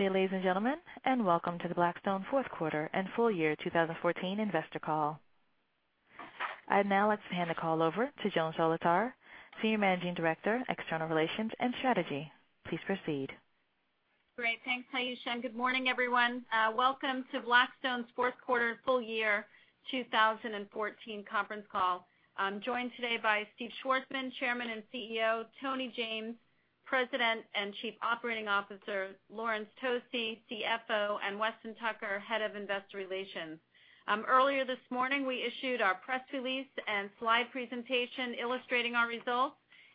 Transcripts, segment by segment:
Good day, ladies and gentlemen, welcome to the Blackstone fourth quarter and full year 2014 investor call. I'd now like to hand the call over to Joan Solotar, Senior Managing Director, External Relations and Strategy. Please proceed. Great. Thanks, Haishun. Good morning, everyone. Welcome to Blackstone's fourth quarter full year 2014 conference call. I'm joined today by Steve Schwarzman, Chairman and CEO, Tony James, President and Chief Operating Officer, Laurence Tosi, CFO, and Weston Tucker, Head of Investor Relations. Earlier this morning, we issued our press release and slide presentation illustrating our results,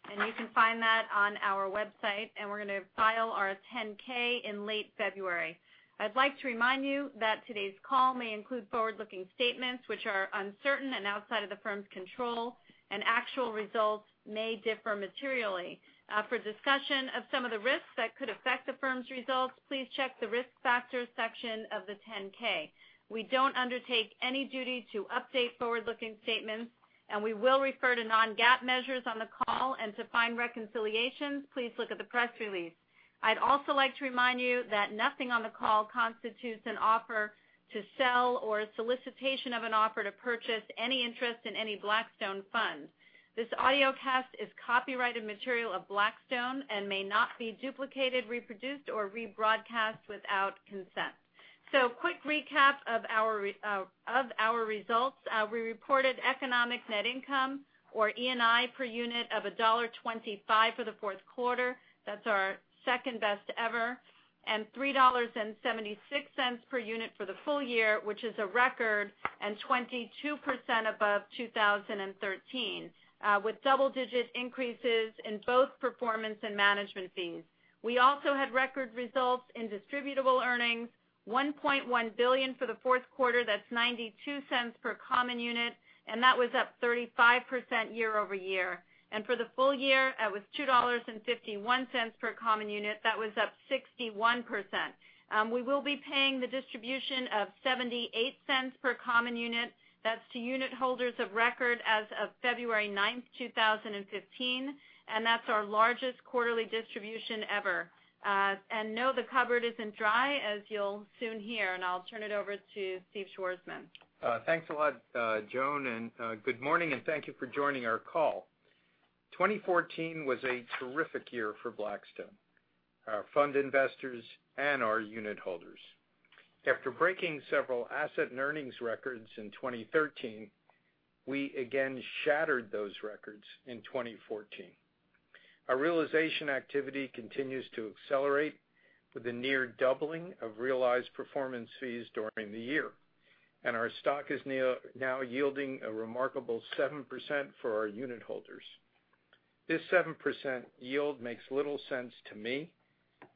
and you can find that on our website, and we're going to file our 10-K in late February. I'd like to remind you that today's call may include forward-looking statements which are uncertain and outside of the firm's control, and actual results may differ materially. For discussion of some of the risks that could affect the firm's results, please check the Risk Factors section of the 10-K. We don't undertake any duty to update forward-looking statements, and we will refer to non-GAAP measures on the call. To find reconciliations, please look at the press release. I'd also like to remind you that nothing on the call constitutes an offer to sell or a solicitation of an offer to purchase any interest in any Blackstone fund. This audiocast is copyrighted material of Blackstone and may not be duplicated, reproduced, or rebroadcast without consent. Quick recap of our results. We reported Economic Net Income, or ENI, per unit of $1.25 for the fourth quarter. That's our second best ever. $3.76 per unit for the full year, which is a record, and 22% above 2013, with double-digit increases in both performance and management fees. We also had record results in Distributable Earnings, $1.1 billion for the fourth quarter. That's $0.92 per common unit, and that was up 35% year-over-year. For the full year, that was $2.51 per common unit. That was up 61%. We will be paying the distribution of $0.78 per common unit. That's to unit holders of record as of February 9th, 2015, and that's our largest quarterly distribution ever. No, the cupboard isn't dry, as you'll soon hear, and I'll turn it over to Steve Schwarzman. Thanks a lot, Joan. Good morning, and thank you for joining our call. 2014 was a terrific year for Blackstone, our fund investors, and our unit holders. After breaking several asset and earnings records in 2013, we again shattered those records in 2014. Our realization activity continues to accelerate with the near doubling of realized performance fees during the year. Our stock is now yielding a remarkable 7% for our unit holders. This 7% yield makes little sense to me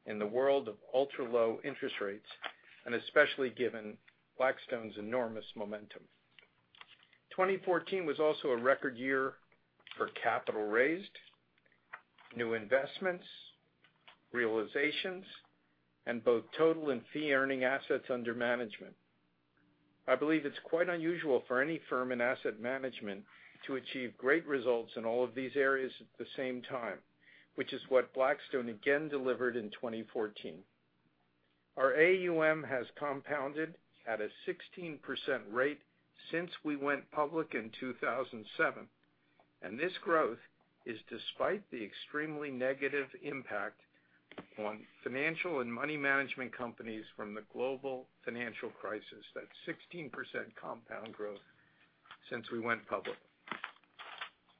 in the world of ultra-low interest rates, especially given Blackstone's enormous momentum. 2014 was also a record year for capital raised, new investments, realizations, and both total and fee-earning assets under management. I believe it's quite unusual for any firm in asset management to achieve great results in all of these areas at the same time, which is what Blackstone again delivered in 2014. Our AUM has compounded at a 16% rate since we went public in 2007, this growth is despite the extremely negative impact on financial and money management companies from the global financial crisis. That's 16% compound growth since we went public.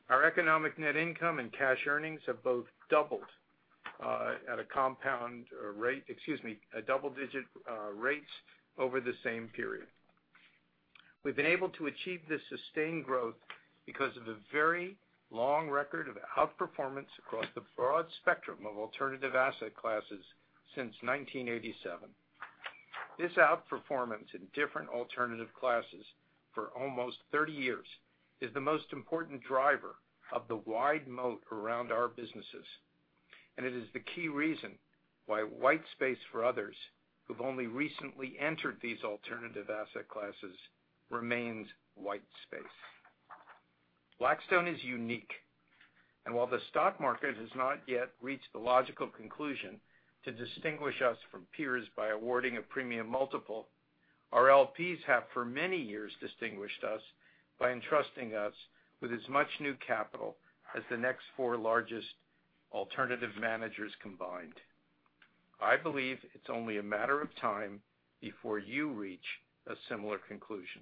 Our economic net income and cash earnings have both doubled at a double-digit rates over the same period. We've been able to achieve this sustained growth because of the very long record of outperformance across the broad spectrum of alternative asset classes since 1987. This outperformance in different alternative classes for almost 30 years is the most important driver of the wide moat around our businesses, it is the key reason why white space for others who've only recently entered these alternative asset classes remains white space. Blackstone is unique, while the stock market has not yet reached the logical conclusion to distinguish us from peers by awarding a premium multiple, our LPs have for many years distinguished us by entrusting us with as much new capital as the next four largest alternative managers combined. I believe it's only a matter of time before you reach a similar conclusion.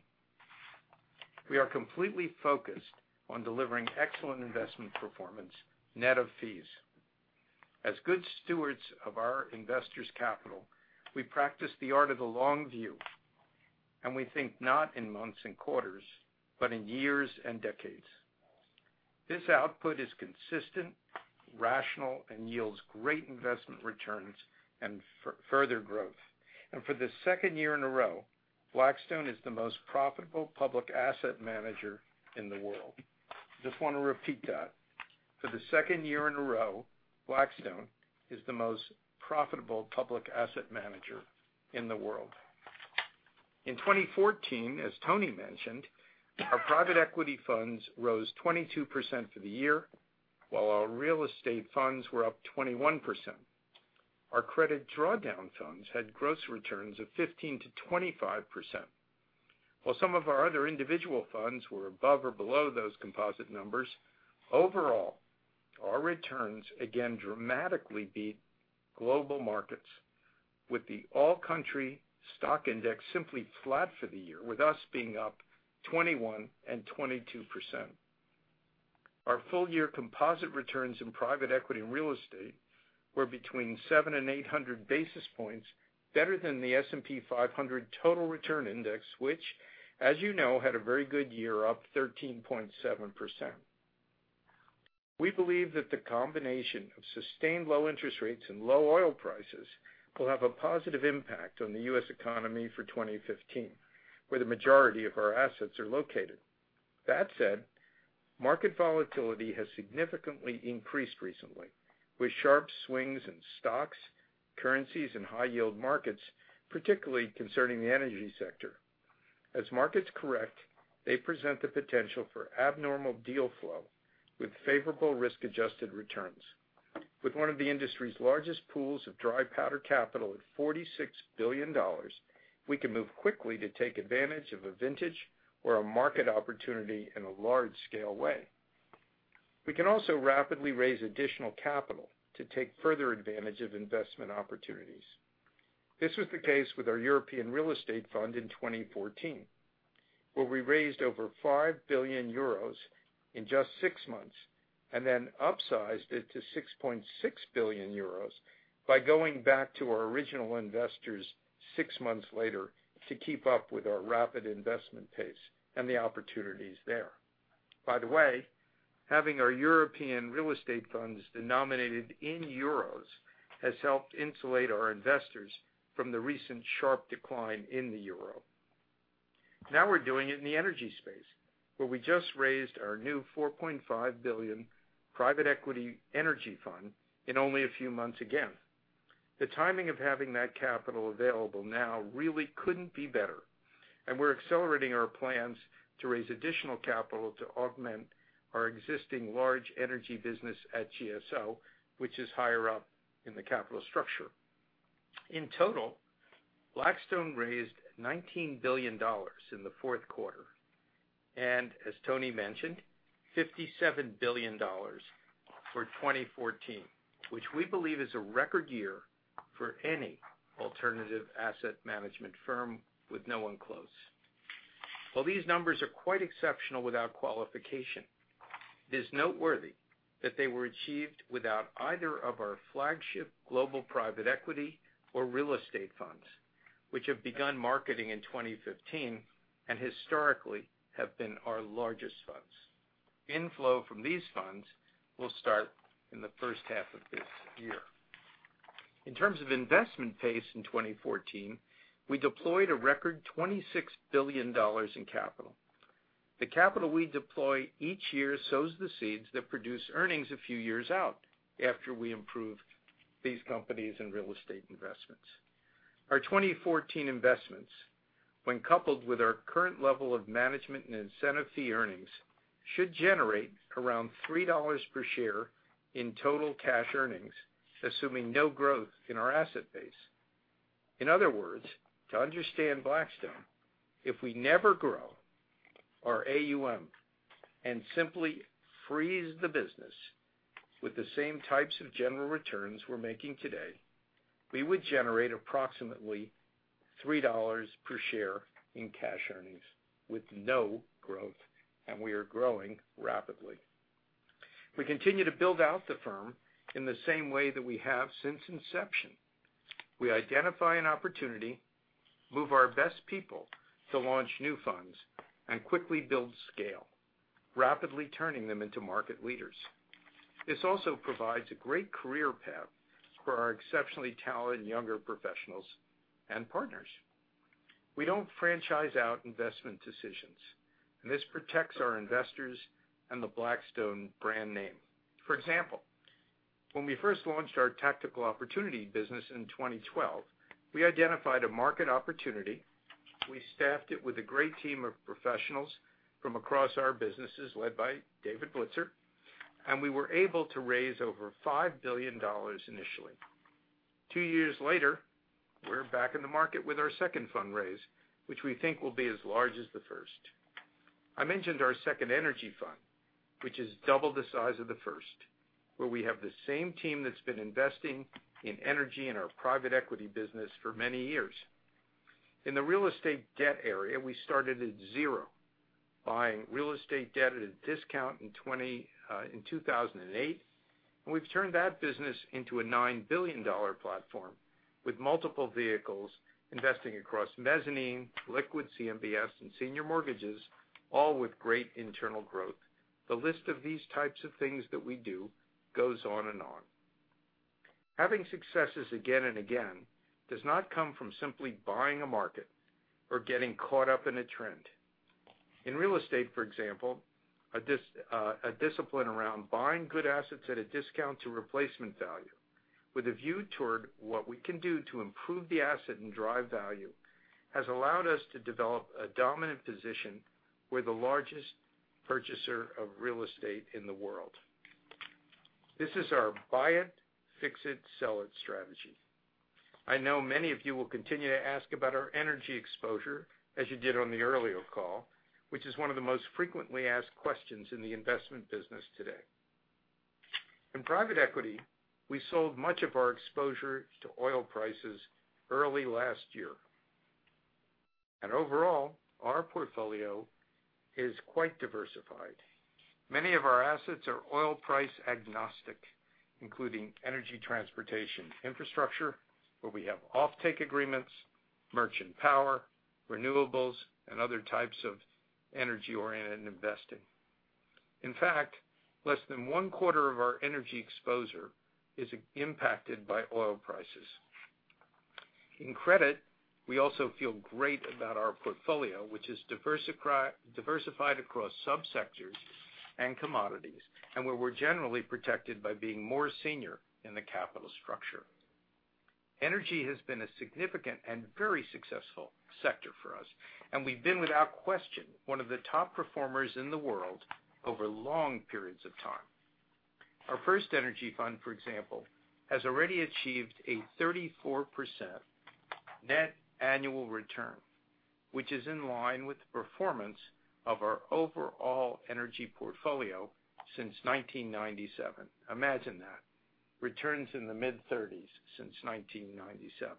We are completely focused on delivering excellent investment performance net of fees. As good stewards of our investors' capital, we practice the art of the long view, we think not in months and quarters, but in years and decades. This output is consistent, rational, yields great investment returns and further growth. For the second year in a row, Blackstone is the most profitable public asset manager in the world. Just want to repeat that. For the second year in a row, Blackstone is the most profitable public asset manager in the world. In 2014, as Tony mentioned, our private equity funds rose 22% for the year, while our real estate funds were up 21%. Our credit drawdown funds had gross returns of 15%-25%, while some of our other individual funds were above or below those composite numbers. Overall, our returns again dramatically beat global markets, with the all-country stock index simply flat for the year, with us being up 21% and 22%. Our full-year composite returns in private equity and real estate were between 700-800 basis points better than the S&P 500 total return index, which, as you know, had a very good year, up 13.7%. We believe that the combination of sustained low interest rates and low oil prices will have a positive impact on the U.S. economy for 2015, where the majority of our assets are located. That said, market volatility has significantly increased recently, with sharp swings in stocks, currencies, and high-yield markets, particularly concerning the energy sector. As markets correct, they present the potential for abnormal deal flow with favorable risk-adjusted returns. With one of the industry's largest pools of dry powder capital at $46 billion, we can move quickly to take advantage of a vintage or a market opportunity in a large-scale way. We can also rapidly raise additional capital to take further advantage of investment opportunities. This was the case with our European Real Estate Fund in 2014, where we raised over 5 billion euros in just six months, and then upsized it to 6.6 billion euros by going back to our original investors six months later to keep up with our rapid investment pace and the opportunities there. By the way, having our European real estate funds denominated in euros has helped insulate our investors from the recent sharp decline in the euro. Now we're doing it in the energy space, where we just raised our new 4.5 billion private equity energy fund in only a few months again. The timing of having that capital available now really couldn't be better, and we're accelerating our plans to raise additional capital to augment our existing large energy business at GSO, which is higher up in the capital structure. In total, Blackstone raised $19 billion in the fourth quarter. As Tony mentioned, $57 billion for 2014, which we believe is a record year for any alternative asset management firm with no one close. While these numbers are quite exceptional without qualification, it is noteworthy that they were achieved without either of our flagship global private equity or real estate funds, which have begun marketing in 2015 and historically have been our largest funds. Inflow from these funds will start in the first half of this year. In terms of investment pace in 2014, we deployed a record $26 billion in capital. The capital we deploy each year sows the seeds that produce earnings a few years out after we improve these companies and real estate investments. Our 2014 investments, when coupled with our current level of management and incentive fee earnings, should generate around $3 per share in total cash earnings, assuming no growth in our asset base. In other words, to understand Blackstone, if we never grow our AUM and simply freeze the business with the same types of general returns we're making today, we would generate approximately $3 per share in cash earnings with no growth, and we are growing rapidly. We continue to build out the firm in the same way that we have since inception. We identify an opportunity, move our best people to launch new funds, and quickly build scale, rapidly turning them into market leaders. This also provides a great career path for our exceptionally talented younger professionals and partners. We don't franchise out investment decisions, and this protects our investors and the Blackstone brand name. For example, when we first launched our Tactical Opportunities business in 2012, we identified a market opportunity. We staffed it with a great team of professionals from across our businesses, led by David Blitzer. We were able to raise over $5 billion initially. Two years later, we're back in the market with our second fund raise, which we think will be as large as the first. I mentioned our second energy fund, which is double the size of the first, where we have the same team that's been investing in energy in our private equity business for many years. In the real estate debt area, we started at zero, buying real estate debt at a discount in 2008. We've turned that business into a $9 billion platform with multiple vehicles investing across mezzanine, liquid CMBS, and senior mortgages, all with great internal growth. The list of these types of things that we do goes on and on. Having successes again and again does not come from simply buying a market or getting caught up in a trend. In real estate, for example, a discipline around buying good assets at a discount to replacement value, with a view toward what we can do to improve the asset and drive value, has allowed us to develop a dominant position. We're the largest purchaser of real estate in the world. This is our buy it, fix it, sell it strategy. I know many of you will continue to ask about our energy exposure, as you did on the earlier call, which is one of the most frequently asked questions in the investment business today. In private equity, we sold much of our exposure to oil prices early last year. Overall, our portfolio is quite diversified. Many of our assets are oil price agnostic, including energy transportation infrastructure, where we have offtake agreements, merchant power, renewables, and other types of energy-oriented investing. In fact, less than one-quarter of our energy exposure is impacted by oil prices. In credit, we also feel great about our portfolio, which is diversified across subsectors and commodities, and where we're generally protected by being more senior in the capital structure. Energy has been a significant and very successful sector for us, and we've been, without question, one of the top performers in the world over long periods of time. Our first energy fund, for example, has already achieved a 34% net annual return, which is in line with the performance of our overall energy portfolio since 1997. Imagine that. Returns in the mid-30s since 1997.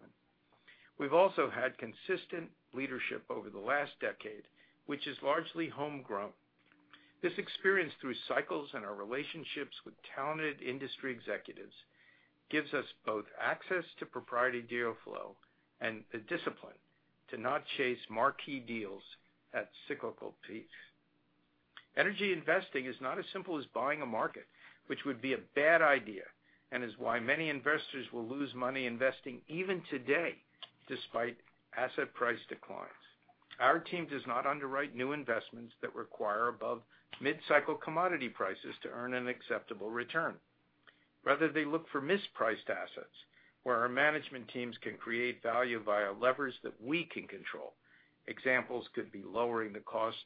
We've also had consistent leadership over the last decade, which is largely homegrown. This experience through cycles and our relationships with talented industry executives gives us both access to proprietary deal flow and the discipline to not chase marquee deals at cyclical peaks. Energy investing is not as simple as buying a market, which would be a bad idea, and is why many investors will lose money investing even today despite asset price declines. Our team does not underwrite new investments that require above mid-cycle commodity prices to earn an acceptable return. Rather, they look for mispriced assets where our management teams can create value via levers that we can control. Examples could be lowering the cost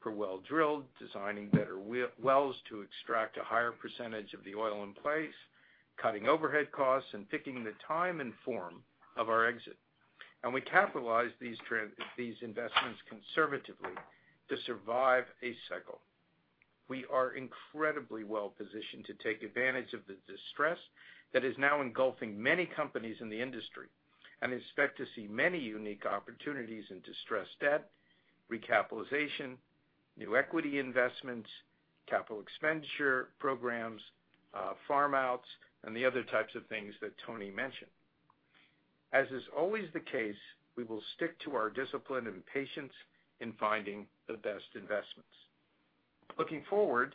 per well drilled, designing better wells to extract a higher percentage of the oil in place, cutting overhead costs, and picking the time and form of our exit. We capitalize these investments conservatively to survive a cycle. We are incredibly well positioned to take advantage of the distress that is now engulfing many companies in the industry, expect to see many unique opportunities in distressed debt, recapitalization, new equity investments, capital expenditure programs, farm outs, and the other types of things that Tony mentioned. As is always the case, we will stick to our discipline and patience in finding the best investments. Looking forward,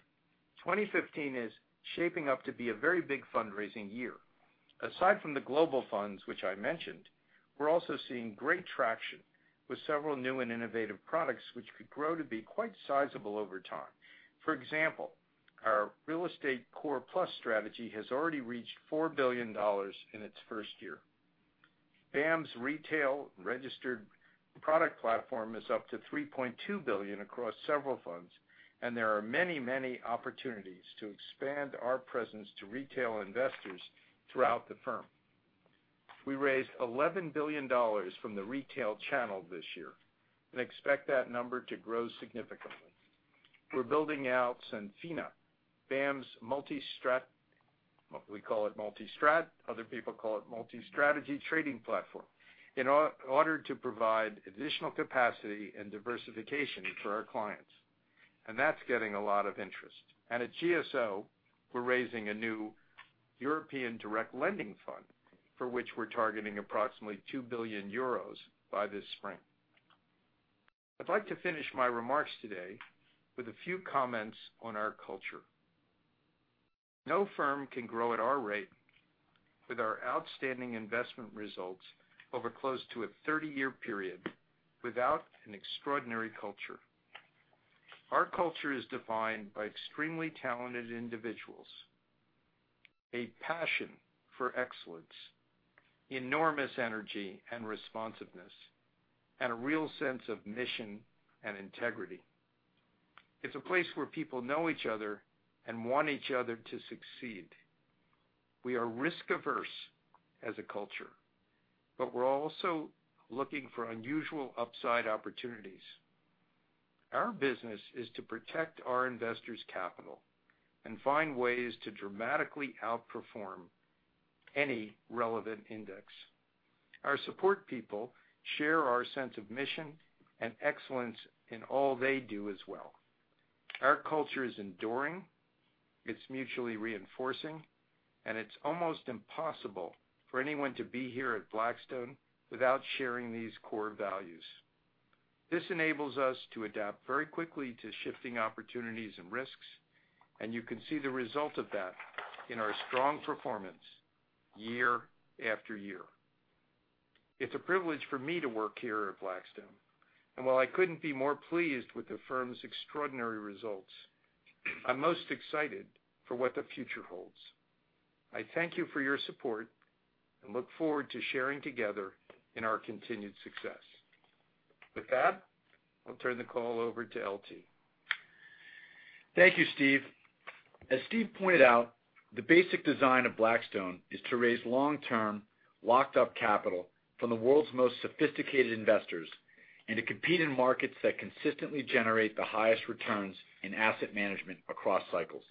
2015 is shaping up to be a very big fundraising year. Aside from the global funds which I mentioned, we are also seeing great traction with several new and innovative products which could grow to be quite sizable over time. For example, our Real Estate Core+ strategy has already reached $4 billion in its first year. BAAM's retail registered product platform is up to $3.2 billion across several funds, there are many opportunities to expand our presence to retail investors throughout the firm. We raised $11 billion from the retail channel this year and expect that number to grow significantly. We are building out Senfina, BAAM's multi-strat, we call it multi-strat, other people call it multi-strategy trading platform, in order to provide additional capacity and diversification for our clients. That is getting a lot of interest. At GSO, we are raising a new European direct lending fund for which we are targeting approximately 2 billion euros by this spring. I would like to finish my remarks today with a few comments on our culture. No firm can grow at our rate with our outstanding investment results over close to a 30-year period without an extraordinary culture. Our culture is defined by extremely talented individuals, a passion for excellence, enormous energy and responsiveness, a real sense of mission and integrity. It is a place where people know each other and want each other to succeed. We are risk averse as a culture, we are also looking for unusual upside opportunities. Our business is to protect our investors' capital and find ways to dramatically outperform any relevant index. Our support people share our sense of mission and excellence in all they do as well. Our culture is enduring, it is mutually reinforcing, it is almost impossible for anyone to be here at Blackstone without sharing these core values. This enables us to adapt very quickly to shifting opportunities and risks, you can see the result of that in our strong performance year after year. It is a privilege for me to work here at Blackstone. While I could not be more pleased with the firm's extraordinary results, I am most excited for what the future holds. I thank you for your support and look forward to sharing together in our continued success. With that, I will turn the call over to LT. Thank you, Steve. As Steve pointed out, the basic design of Blackstone is to raise long-term, locked-up capital from the world's most sophisticated investors, and to compete in markets that consistently generate the highest returns in asset management across cycles.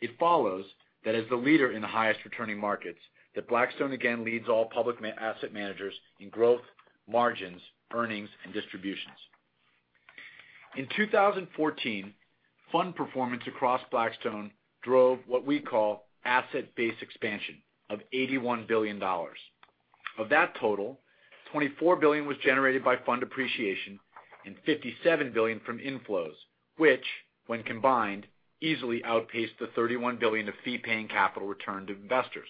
It follows that as the leader in the highest returning markets, that Blackstone again leads all public asset managers in growth, margins, earnings, and distributions. In 2014, fund performance across Blackstone drove what we call asset base expansion of $81 billion. Of that total, $24 billion was generated by fund appreciation and $57 billion from inflows, which, when combined, easily outpaced the $31 billion of fee-paying capital returned to investors.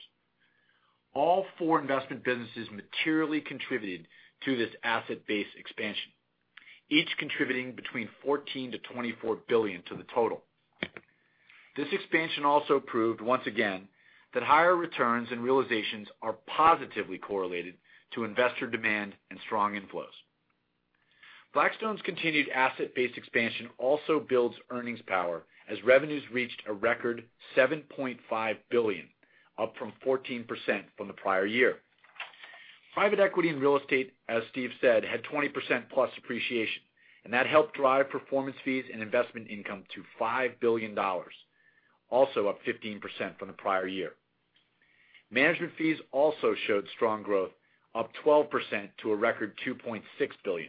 All four investment businesses materially contributed to this asset base expansion, each contributing between $14 billion-$24 billion to the total. This expansion also proved once again that higher returns and realizations are positively correlated to investor demand and strong inflows. Blackstone's continued asset-based expansion also builds earnings power as revenues reached a record $7.5 billion, up 14% from the prior year. Private equity and real estate, as Steve said, had 20%+ appreciation, and that helped drive performance fees and investment income to $5 billion, also up 15% from the prior year. Management fees also showed strong growth, up 12% to a record $2.6 billion,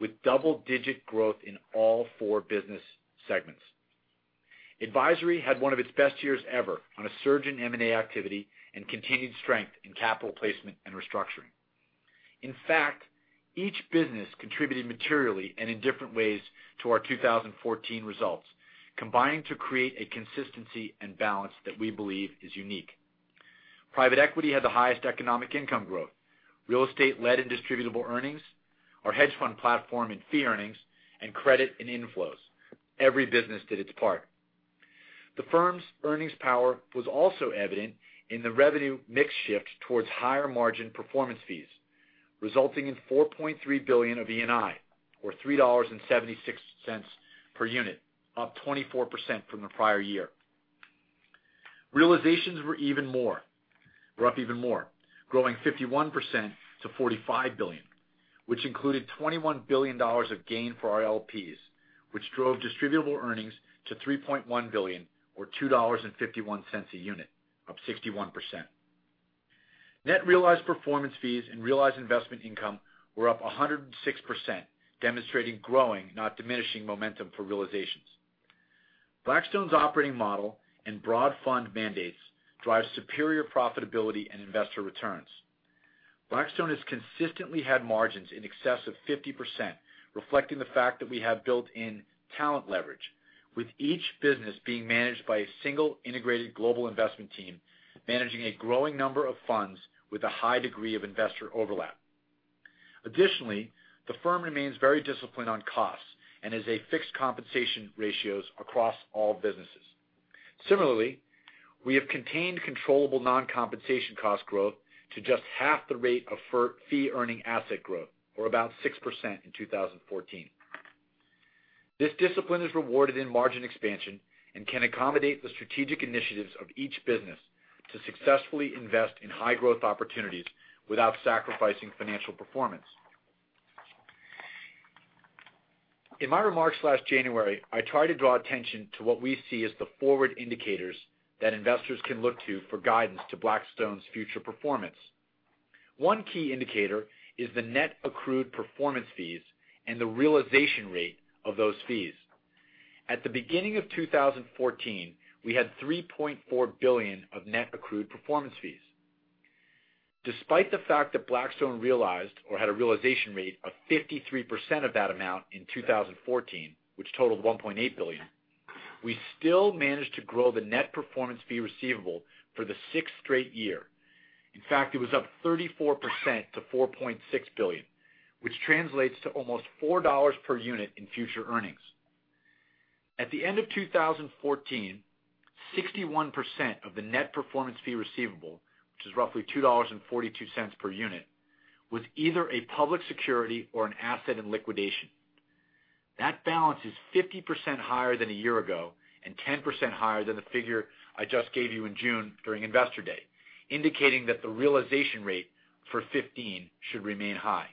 with double-digit growth in all four business segments. Advisory had one of its best years ever on a surge in M&A activity and continued strength in capital placement and restructuring. In fact, each business contributed materially and in different ways to our 2014 results, combining to create a consistency and balance that we believe is unique. Private equity had the highest economic income growth. Real estate led in distributable earnings. Our hedge fund platform in fee earnings, and credit in inflows. Every business did its part. The firm's earnings power was also evident in the revenue mix shift towards higher margin performance fees, resulting in $4.3 billion of ENI, or $3.76 per unit, up 24% from the prior year. Realizations were up even more, growing 51% to $45 billion, which included $21 billion of gain for our LPs, which drove distributable earnings to $3.1 billion or $2.51 a unit, up 61%. Net realized performance fees and realized investment income were up 106%, demonstrating growing, not diminishing momentum for realizations. Blackstone's operating model and broad fund mandates drive superior profitability and investor returns. Blackstone has consistently had margins in excess of 50%, reflecting the fact that we have built-in talent leverage with each business being managed by a single integrated global investment team, managing a growing number of funds with a high degree of investor overlap. Additionally, the firm remains very disciplined on costs and has fixed compensation ratios across all businesses. Similarly, we have contained controllable non-compensation cost growth to just half the rate of fee-earning asset growth, or about 6% in 2014. This discipline is rewarded in margin expansion and can accommodate the strategic initiatives of each business to successfully invest in high growth opportunities without sacrificing financial performance. In my remarks last January, I tried to draw attention to what we see as the forward indicators that investors can look to for guidance to Blackstone's future performance. One key indicator is the net accrued performance fees and the realization rate of those fees. At the beginning of 2014, we had $3.4 billion of net accrued performance fees. Despite the fact that Blackstone realized or had a realization rate of 53% of that amount in 2014, which totaled $1.8 billion, we still managed to grow the net performance fee receivable for the sixth straight year. In fact, it was up 34% to $4.6 billion, which translates to almost $4 per unit in future earnings. At the end of 2014, 61% of the net performance fee receivable, which is roughly $2.42 per unit, was either a public security or an asset in liquidation. That balance is 50% higher than a year ago and 10% higher than the figure I just gave you in June during Investor Day, indicating that the realization rate for 2015 should remain high.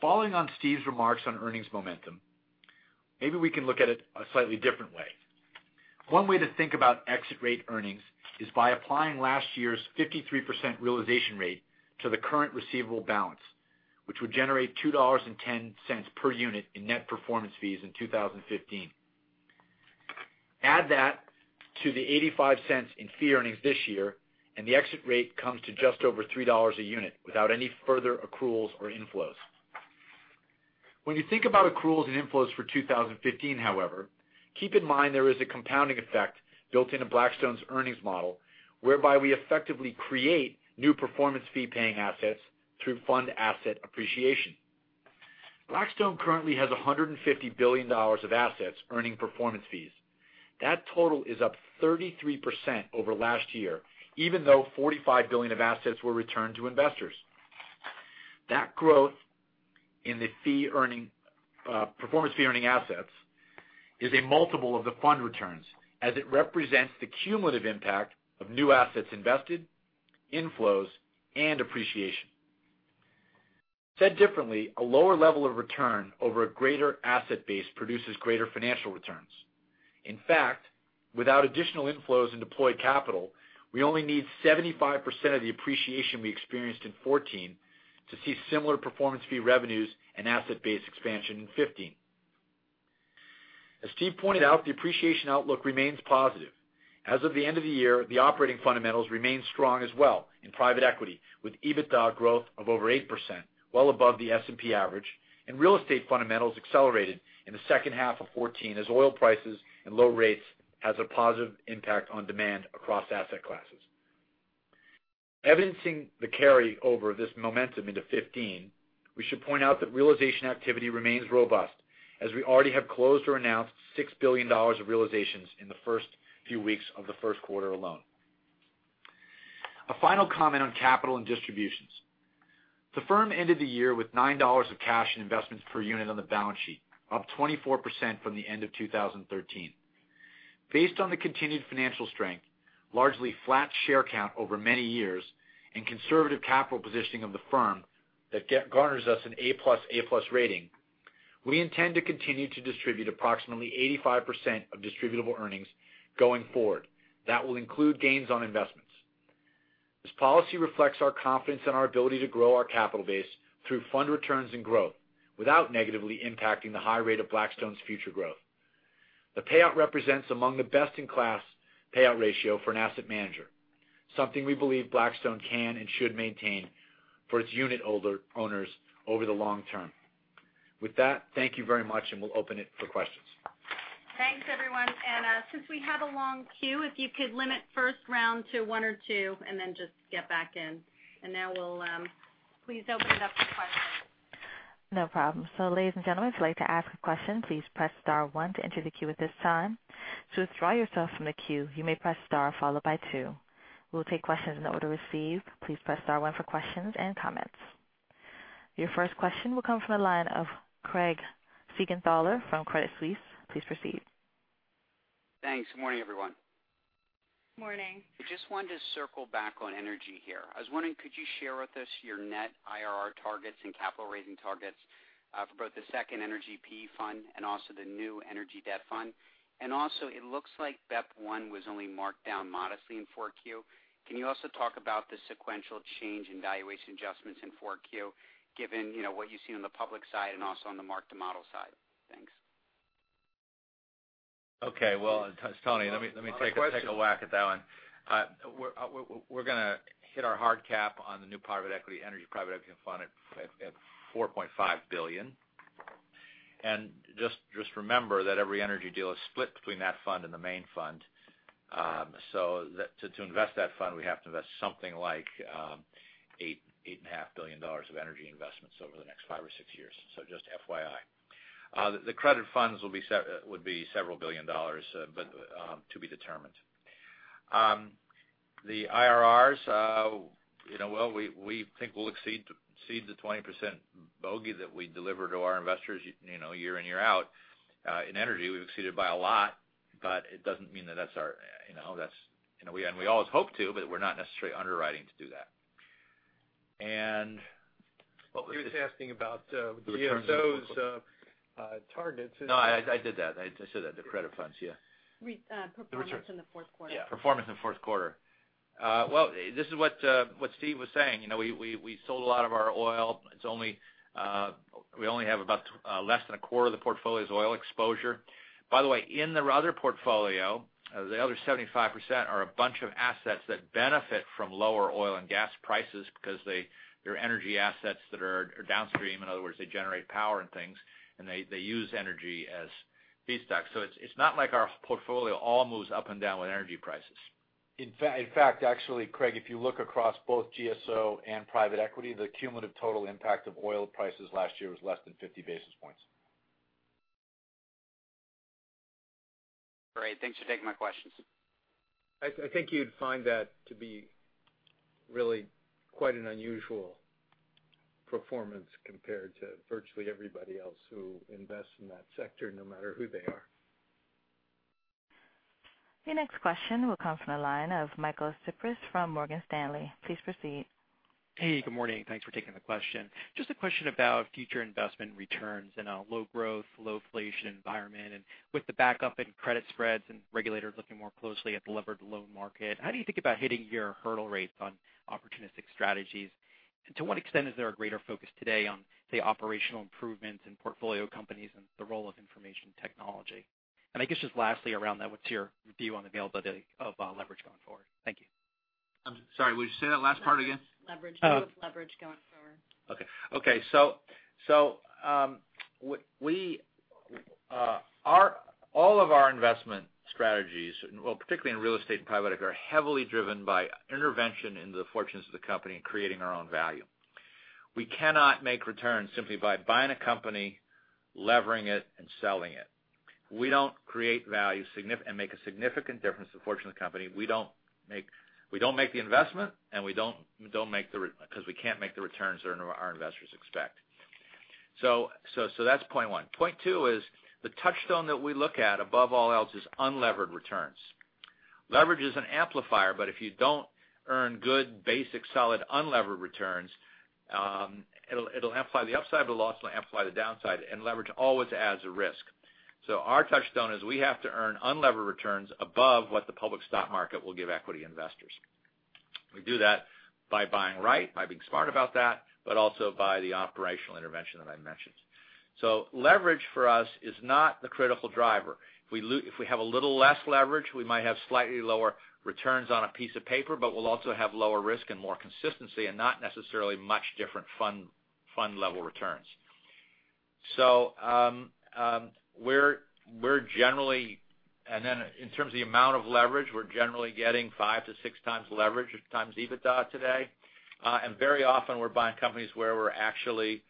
Following on Steve's remarks on earnings momentum, maybe we can look at it a slightly different way. One way to think about exit rate earnings is by applying last year's 53% realization rate to the current receivable balance, which would generate $2.10 per unit in net performance fees in 2015. Add that to the $0.85 in fee earnings this year, and the exit rate comes to just over $3 a unit without any further accruals or inflows. When you think about accruals and inflows for 2015, however, keep in mind there is a compounding effect built into Blackstone's earnings model, whereby we effectively create new performance fee-paying assets through fund asset appreciation. Blackstone currently has $150 billion of assets earning performance fees. That total is up 33% over last year, even though $45 billion of assets were returned to investors. That growth in the performance fee-earning assets is a multiple of the fund returns, as it represents the cumulative impact of new assets invested, inflows, and appreciation. Said differently, a lower level of return over a greater asset base produces greater financial returns. In fact, without additional inflows in deployed capital, we only need 75% of the appreciation we experienced in 2014 to see similar performance fee revenues and asset base expansion in 2015. As Steve pointed out, the appreciation outlook remains positive. As of the end of the year, the operating fundamentals remained strong as well in private equity, with EBITDA growth of over 8%, well above the S&P average, and real estate fundamentals accelerated in the second half of 2014 as oil prices and low rates has a positive impact on demand across asset classes. Evidencing the carryover of this momentum into 2015, we should point out that realization activity remains robust as we already have closed or announced $6 billion of realizations in the first few weeks of the first quarter alone. A final comment on capital and distributions. The firm ended the year with $9 of cash in investments per unit on the balance sheet, up 24% from the end of 2013. Based on the continued financial strength, largely flat share count over many years, and conservative capital positioning of the firm that garners us an A+, A+ rating, we intend to continue to distribute approximately 85% of distributable earnings going forward. That will include gains on investments. This policy reflects our confidence in our ability to grow our capital base through fund returns and growth, without negatively impacting the high rate of Blackstone's future growth. The payout represents among the best-in-class payout ratio for an asset manager, something we believe Blackstone can and should maintain for its unit owners over the long term. With that, thank you very much, we'll open it for questions. Thanks, everyone. Since we have a long queue, if you could limit the first round to one or two, then just get back in. Now we'll please open it up for questions. No problem. Ladies and gentlemen, if you'd like to ask a question, please press star one to enter the queue at this time. To withdraw yourself from the queue, you may press star followed by two. We'll take questions in the order received. Please press star one for questions and comments. Your first question will come from the line of Craig Siegenthaler from Credit Suisse. Please proceed. Thanks. Morning, everyone. Morning. I just wanted to circle back on energy here. I was wondering, could you share with us your net IRR targets and capital raising targets for both the second energy PE fund and also the new energy debt fund? It looks like BEP I was only marked down modestly in Q4. Can you also talk about the sequential change in valuation adjustments in Q4, given what you see on the public side and also on the mark-to-model side? Thanks. Okay. Well, Tony, let me take a whack at that one. We're going to hit our hard cap on the new energy private equity fund at $4.5 billion. Just remember that every energy deal is split between that fund and the main fund. To invest that fund, we have to invest something like $8.5 billion of energy investments over the next five or six years. Just FYI. The credit funds would be several billion dollars, but to be determined. The IRRs, we think we'll exceed the 20% bogey that we deliver to our investors year in, year out. In energy, we've exceeded by a lot, but it doesn't mean that. We always hope to, but we're not necessarily underwriting to do that. He was asking about the GSO's targets. No, I did that. I said that, the credit funds, yeah. Performance in the fourth quarter. Yeah. Performance in the fourth quarter. Well, this is what Steve was saying. We sold a lot of our oil. We only have about less than a quarter of the portfolio's oil exposure. By the way, in the other portfolio, the other 75% are a bunch of assets that benefit from lower oil and gas prices because they're energy assets that are downstream. In other words, they generate power and things, and they use energy as feedstock. It's not like our portfolio all moves up and down with energy prices. In fact, actually, Craig, if you look across both GSO and private equity, the cumulative total impact of oil prices last year was less than 50 basis points. Great. Thanks for taking my questions. I think you'd find that to be really quite an unusual performance compared to virtually everybody else who invests in that sector, no matter who they are. Your next question will come from the line of Michael Cyprys from Morgan Stanley. Please proceed. Hey, good morning. Thanks for taking the question. Just a question about future investment returns in a low growth, low inflation environment. With the backup in credit spreads and regulators looking more closely at the levered loan market, how do you think about hitting your hurdle rates on opportunistic strategies? To what extent is there a greater focus today on, say, operational improvements in portfolio companies and the role of information technology? I guess just lastly around that, what's your view on the availability of leverage going forward? Thank you. I'm sorry. Would you say that last part again? Leverage. Use leverage going forward. Okay. All of our investment strategies, well, particularly in real estate and private equity, are heavily driven by intervention in the fortunes of the company and creating our own value. We cannot make returns simply by buying a company, levering it, and selling it. We don't create value and make a significant difference in the fortune of the company. We don't make the investment, and we don't make the returns because we can't make the returns that our investors expect. That's point one. Point two is the touchstone that we look at above all else is unlevered returns. Leverage is an amplifier, but if you don't earn good, basic, solid unlevered returns, it'll amplify the upside, but it'll also amplify the downside, and leverage always adds a risk. Our touchstone is we have to earn unlevered returns above what the public stock market will give equity investors. We do that by buying right, by being smart about that, but also by the operational intervention that I mentioned. Leverage for us is not the critical driver. If we have a little less leverage, we might have slightly lower returns on a piece of paper, but we'll also have lower risk and more consistency and not necessarily much different fund-level returns. In terms of the amount of leverage, we're generally getting five to six times leverage, times EBITDA today. Very often, we're buying companies where we're actually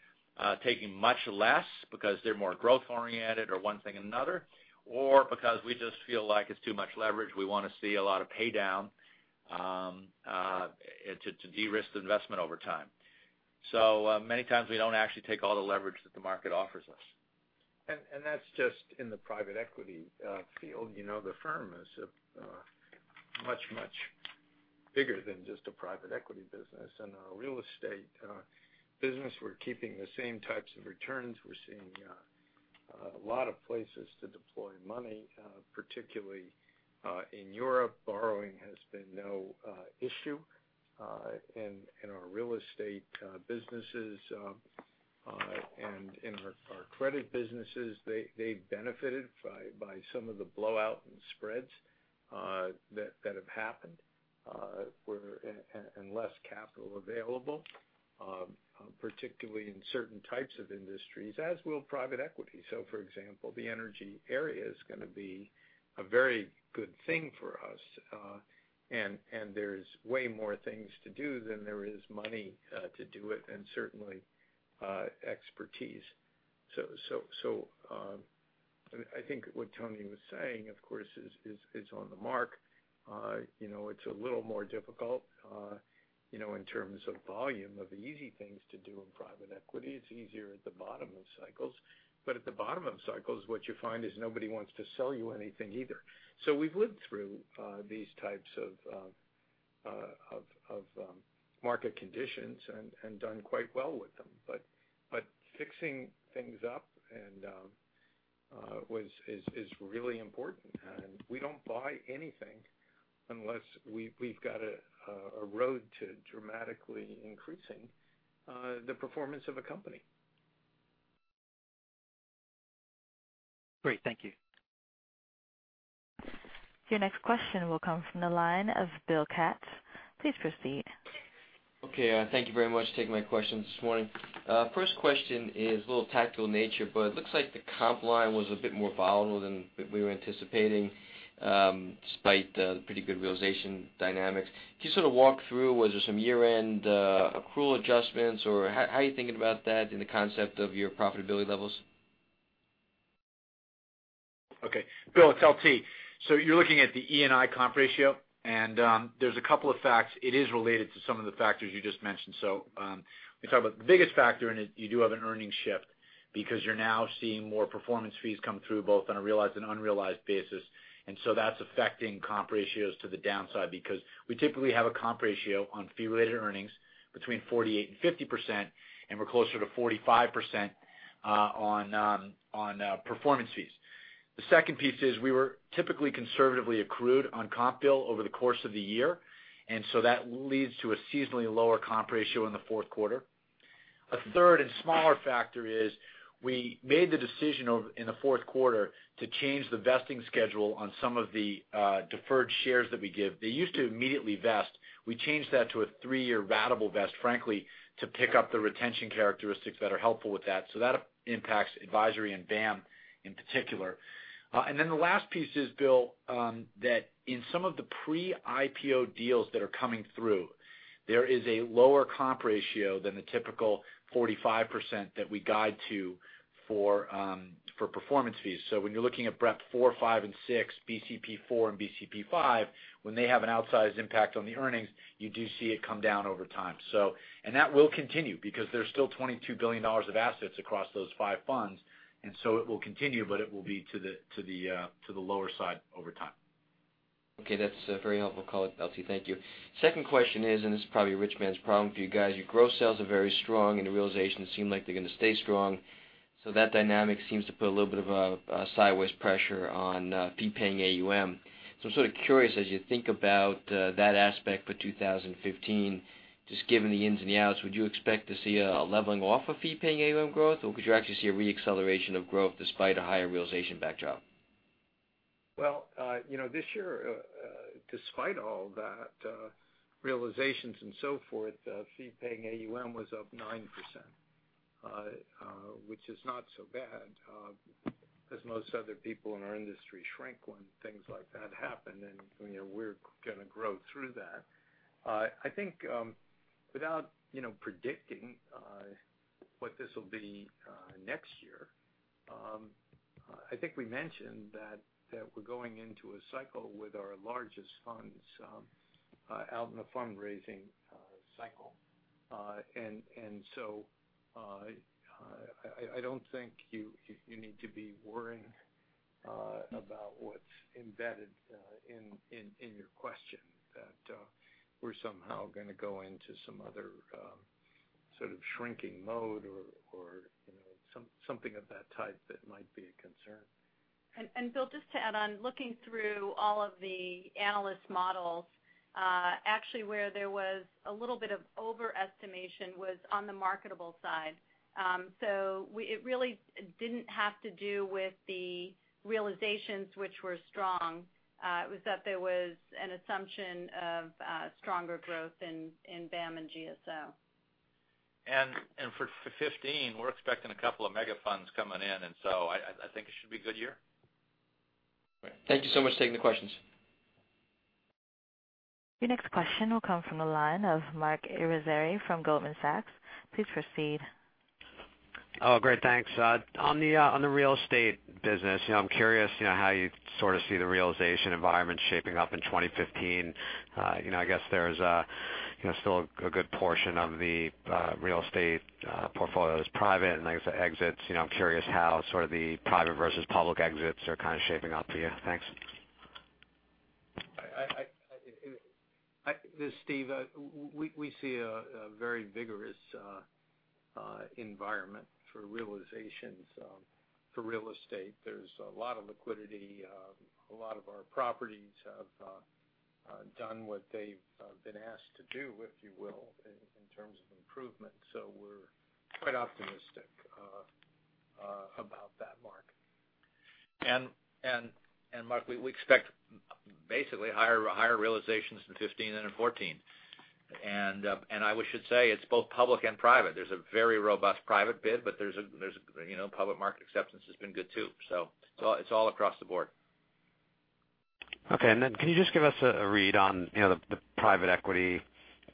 taking much less because they're more growth-oriented or one thing or another, or because we just feel like it's too much leverage. We want to see a lot of paydown to de-risk the investment over time. Many times we don't actually take all the leverage that the market offers us. That's just in the private equity field. The firm is much, much bigger than just a private equity business. In our real estate business, we're keeping the same types of returns. We're seeing a lot of places to deploy money, particularly in Europe. Borrowing has been no issue in our real estate businesses and in our credit businesses. They benefited by some of the blowout in spreads that have happened, and less capital available, particularly in certain types of industries, as will private equity. For example, the energy area is going to be a very good thing for us. There's way more things to do than there is money to do it, and certainly expertise. I think what Tony was saying, of course, is on the mark. It's a little more difficult in terms of volume of easy things to do in private equity. It's easier at the bottom of cycles. At the bottom of cycles, what you find is nobody wants to sell you anything either. We've lived through these types of market conditions and done quite well with them. Fixing things up is really important, and we don't buy anything unless we've got a road to dramatically increasing the performance of a company. Great, thank you. Your next question will come from the line of Bill Katz. Please proceed. Thank you very much for taking my questions this morning. First question is a little tactical in nature, it looks like the comp line was a bit more volatile than we were anticipating, despite the pretty good realization dynamics. Can you sort of walk through, was there some year-end accrual adjustments, or how are you thinking about that in the concept of your profitability levels? Okay. Bill, it's LT. You're looking at the ENI comp ratio, there's 2 facts. It is related to some of the factors you just mentioned. Let me talk about the biggest factor, you do have an earnings shift because you're now seeing more performance fees come through, both on a realized and unrealized basis. That's affecting comp ratios to the downside because we typically have a comp ratio on fee-related earnings between 48% and 50%, and we're closer to 45% on performance fees. The second piece is we were typically conservatively accrued on comp bill over the course of the year, that leads to a seasonally lower comp ratio in the fourth quarter. A third and smaller factor is we made the decision in the fourth quarter to change the vesting schedule on some of the deferred shares that we give. They used to immediately vest. We changed that to a three-year ratable vest, frankly, to pick up the retention characteristics that are helpful with that. That impacts advisory and BAAM in particular. The last piece is, Bill, that in some of the pre-IPO deals that are coming through, there is a lower comp ratio than the typical 45% that we guide to for performance fees. When you're looking at BREP IV, V, and VI, BCP IV and BCP V, when they have an outsized impact on the earnings, you do see it come down over time. That will continue because there's still $22 billion of assets across those five funds, it will continue, but it will be to the lower side over time. Okay. That's very helpful, LT. Thank you. Second question is, this is probably a rich man's problem for you guys. Your growth sales are very strong, your realizations seem like they're going to stay strong. That dynamic seems to put a little bit of a sideways pressure on fee-paying AUM. I'm sort of curious, as you think about that aspect for 2015, just given the ins and the outs, would you expect to see a leveling off of fee-paying AUM growth, or could you actually see a re-acceleration of growth despite a higher realization backdrop? Well, this year, despite all that realizations and so forth, fee-paying AUM was up 9%, which is not so bad as most other people in our industry shrink when things like that happen, and we're going to grow through that. I think without predicting what this will be next year, I think we mentioned that we're going into a cycle with our largest funds out in the fundraising cycle. I don't think you need to be worrying about what's embedded in your question that we're somehow going to go into some other sort of shrinking mode or something of that type that might be a concern. Bill, just to add on, looking through all of the analyst models, actually where there was a little bit of overestimation was on the marketable side. It really didn't have to do with the realizations, which were strong. It was that there was an assumption of stronger growth in BAAM and GSO. For 2015, we're expecting a couple of mega funds coming in, I think it should be a good year. Great. Thank you so much for taking the questions. Your next question will come from the line of Marc Irizarry from Goldman Sachs. Please proceed. Oh, great. Thanks. On the real estate business, I'm curious how you sort of see the realization environment shaping up in 2015. I guess there's still a good portion of the real estate portfolio is private and I guess the exits. I'm curious how sort of the private versus public exits are kind of shaping up for you. Thanks. This is Steve. We see a very vigorous environment for realizations for real estate. There's a lot of liquidity. A lot of our properties have done what they've been asked to do, if you will, in terms of improvement. We're quite optimistic about that, Marc. Marc, we expect basically higher realizations in 2015 than in 2014. I should say it's both public and private. There's a very robust private bid, but public market acceptance has been good too. It's all across the board. Can you just give us a read on the private equity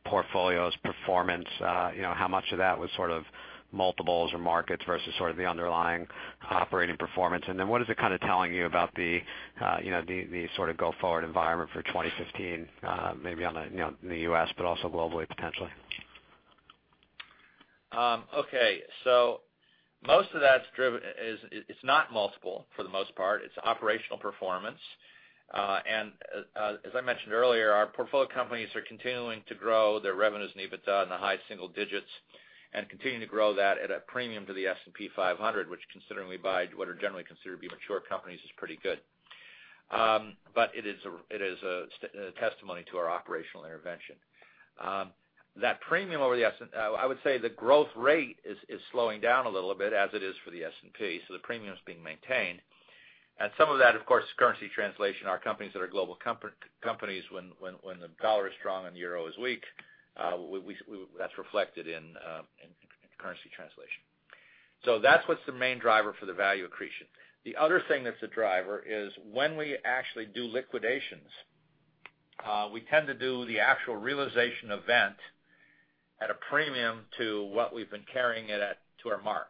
portfolio's performance? How much of that was sort of multiples or markets versus sort of the underlying operating performance? What is it kind of telling you about the sort of go-forward environment for 2015, maybe in the U.S., but also globally, potentially? Okay. Most of that's driven. It's not multiple for the most part. It's operational performance. As I mentioned earlier, our portfolio companies are continuing to grow their revenues and EBITDA in the high single digits and continuing to grow that at a premium to the S&P 500, which considering we buy what are generally considered to be mature companies is pretty good. It is a testimony to our operational intervention. I would say the growth rate is slowing down a little bit as it is for the S&P, so the premium is being maintained. Some of that, of course, is currency translation. Our companies that are global companies when the dollar is strong and the euro is weak, that's reflected in currency translation. That's what's the main driver for the value accretion. The other thing that's a driver is when we actually do liquidations, we tend to do the actual realization event at a premium to what we've been carrying it at to our mark.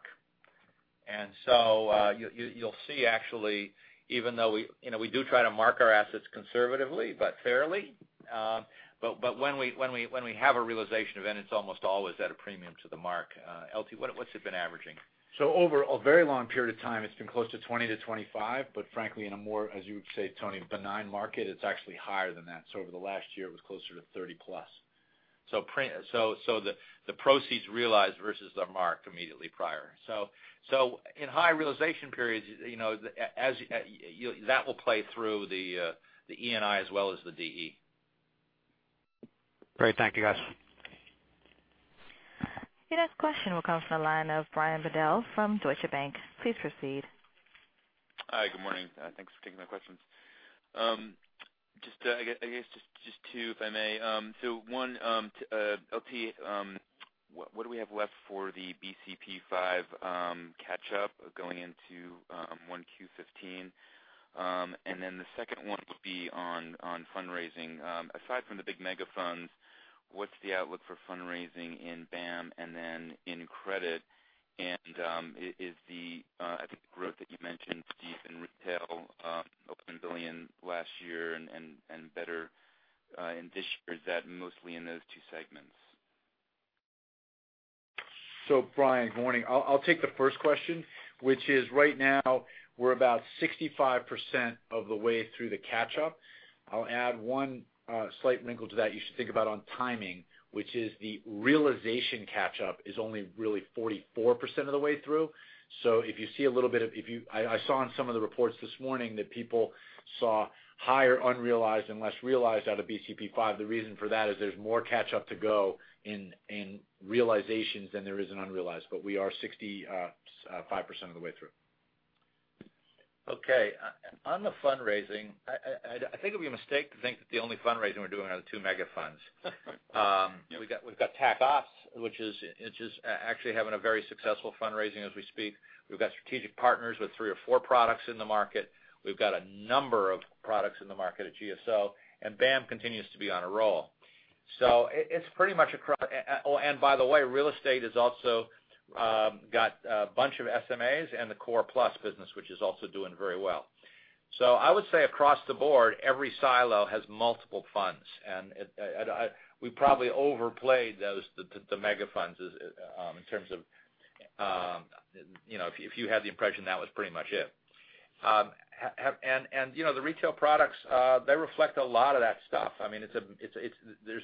You'll see, actually, even though we do try to mark our assets conservatively, but fairly. When we have a realization event, it's almost always at a premium to the mark. LT, what's it been averaging? Over a very long period of time, it's been close to 20-25, but frankly in a more, as you would say, Tony, benign market, it's actually higher than that. Over the last year, it was closer to 30-plus. The proceeds realized versus the mark immediately prior. In high realization periods, that will play through the ENI as well as the DE. Great. Thank you, guys. Your next question will come from the line of Brian Bedell from Deutsche Bank. Please proceed. Hi. Good morning. Thanks for taking my questions. I guess just two, if I may. One, LT, what do we have left for the BCP V catch-up going into 1Q15? Then the second one would be on fundraising. Aside from the big mega funds, what's the outlook for fundraising in BAAM and then in credit? Is the, I think the growth that you mentioned, Steve, in retail up $11 billion last year and better in this year, is that mostly in those two segments? Brian, good morning. I'll take the first question, which is right now we're about 65% of the way through the catch-up. I'll add one slight wrinkle to that you should think about on timing, which is the realization catch-up is only really 44% of the way through. I saw in some of the reports this morning that people saw higher unrealized and less realized out of BCP V. The reason for that is there's more catch-up to go in realizations than there is in unrealized. We are 65% of the way through. Okay. On the fundraising, I think it would be a mistake to think that the only fundraising we're doing are the two mega funds. We've got Tac Opps, which is actually having a very successful fundraising as we speak. We've got Strategic Partners with three or four products in the market. We've got a number of products in the market at GSO. BAAM continues to be on a roll. Real estate has also got a bunch of SMAs and the Core+ business, which is also doing very well. I would say across the board, every silo has multiple funds. We probably overplayed the mega funds in terms of if you had the impression that was pretty much it. The retail products they reflect a lot of that stuff.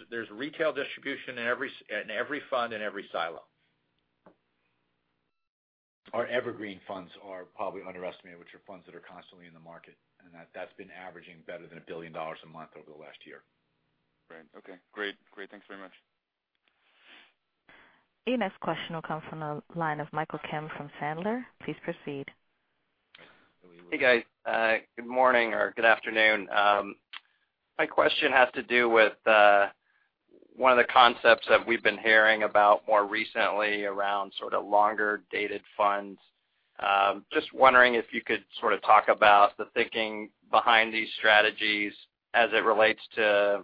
There's retail distribution in every fund and every silo. Our evergreen funds are probably underestimated, which are funds that are constantly in the market. That's been averaging better than $1 billion a month over the last year. Right. Okay, great. Thanks very much. Your next question will come from the line of Michael Kim from Sandler. Please proceed. Hey, guys. Good morning or good afternoon. My question has to do with one of the concepts that we've been hearing about more recently around sort of longer-dated funds. Just wondering if you could sort of talk about the thinking behind these strategies as it relates to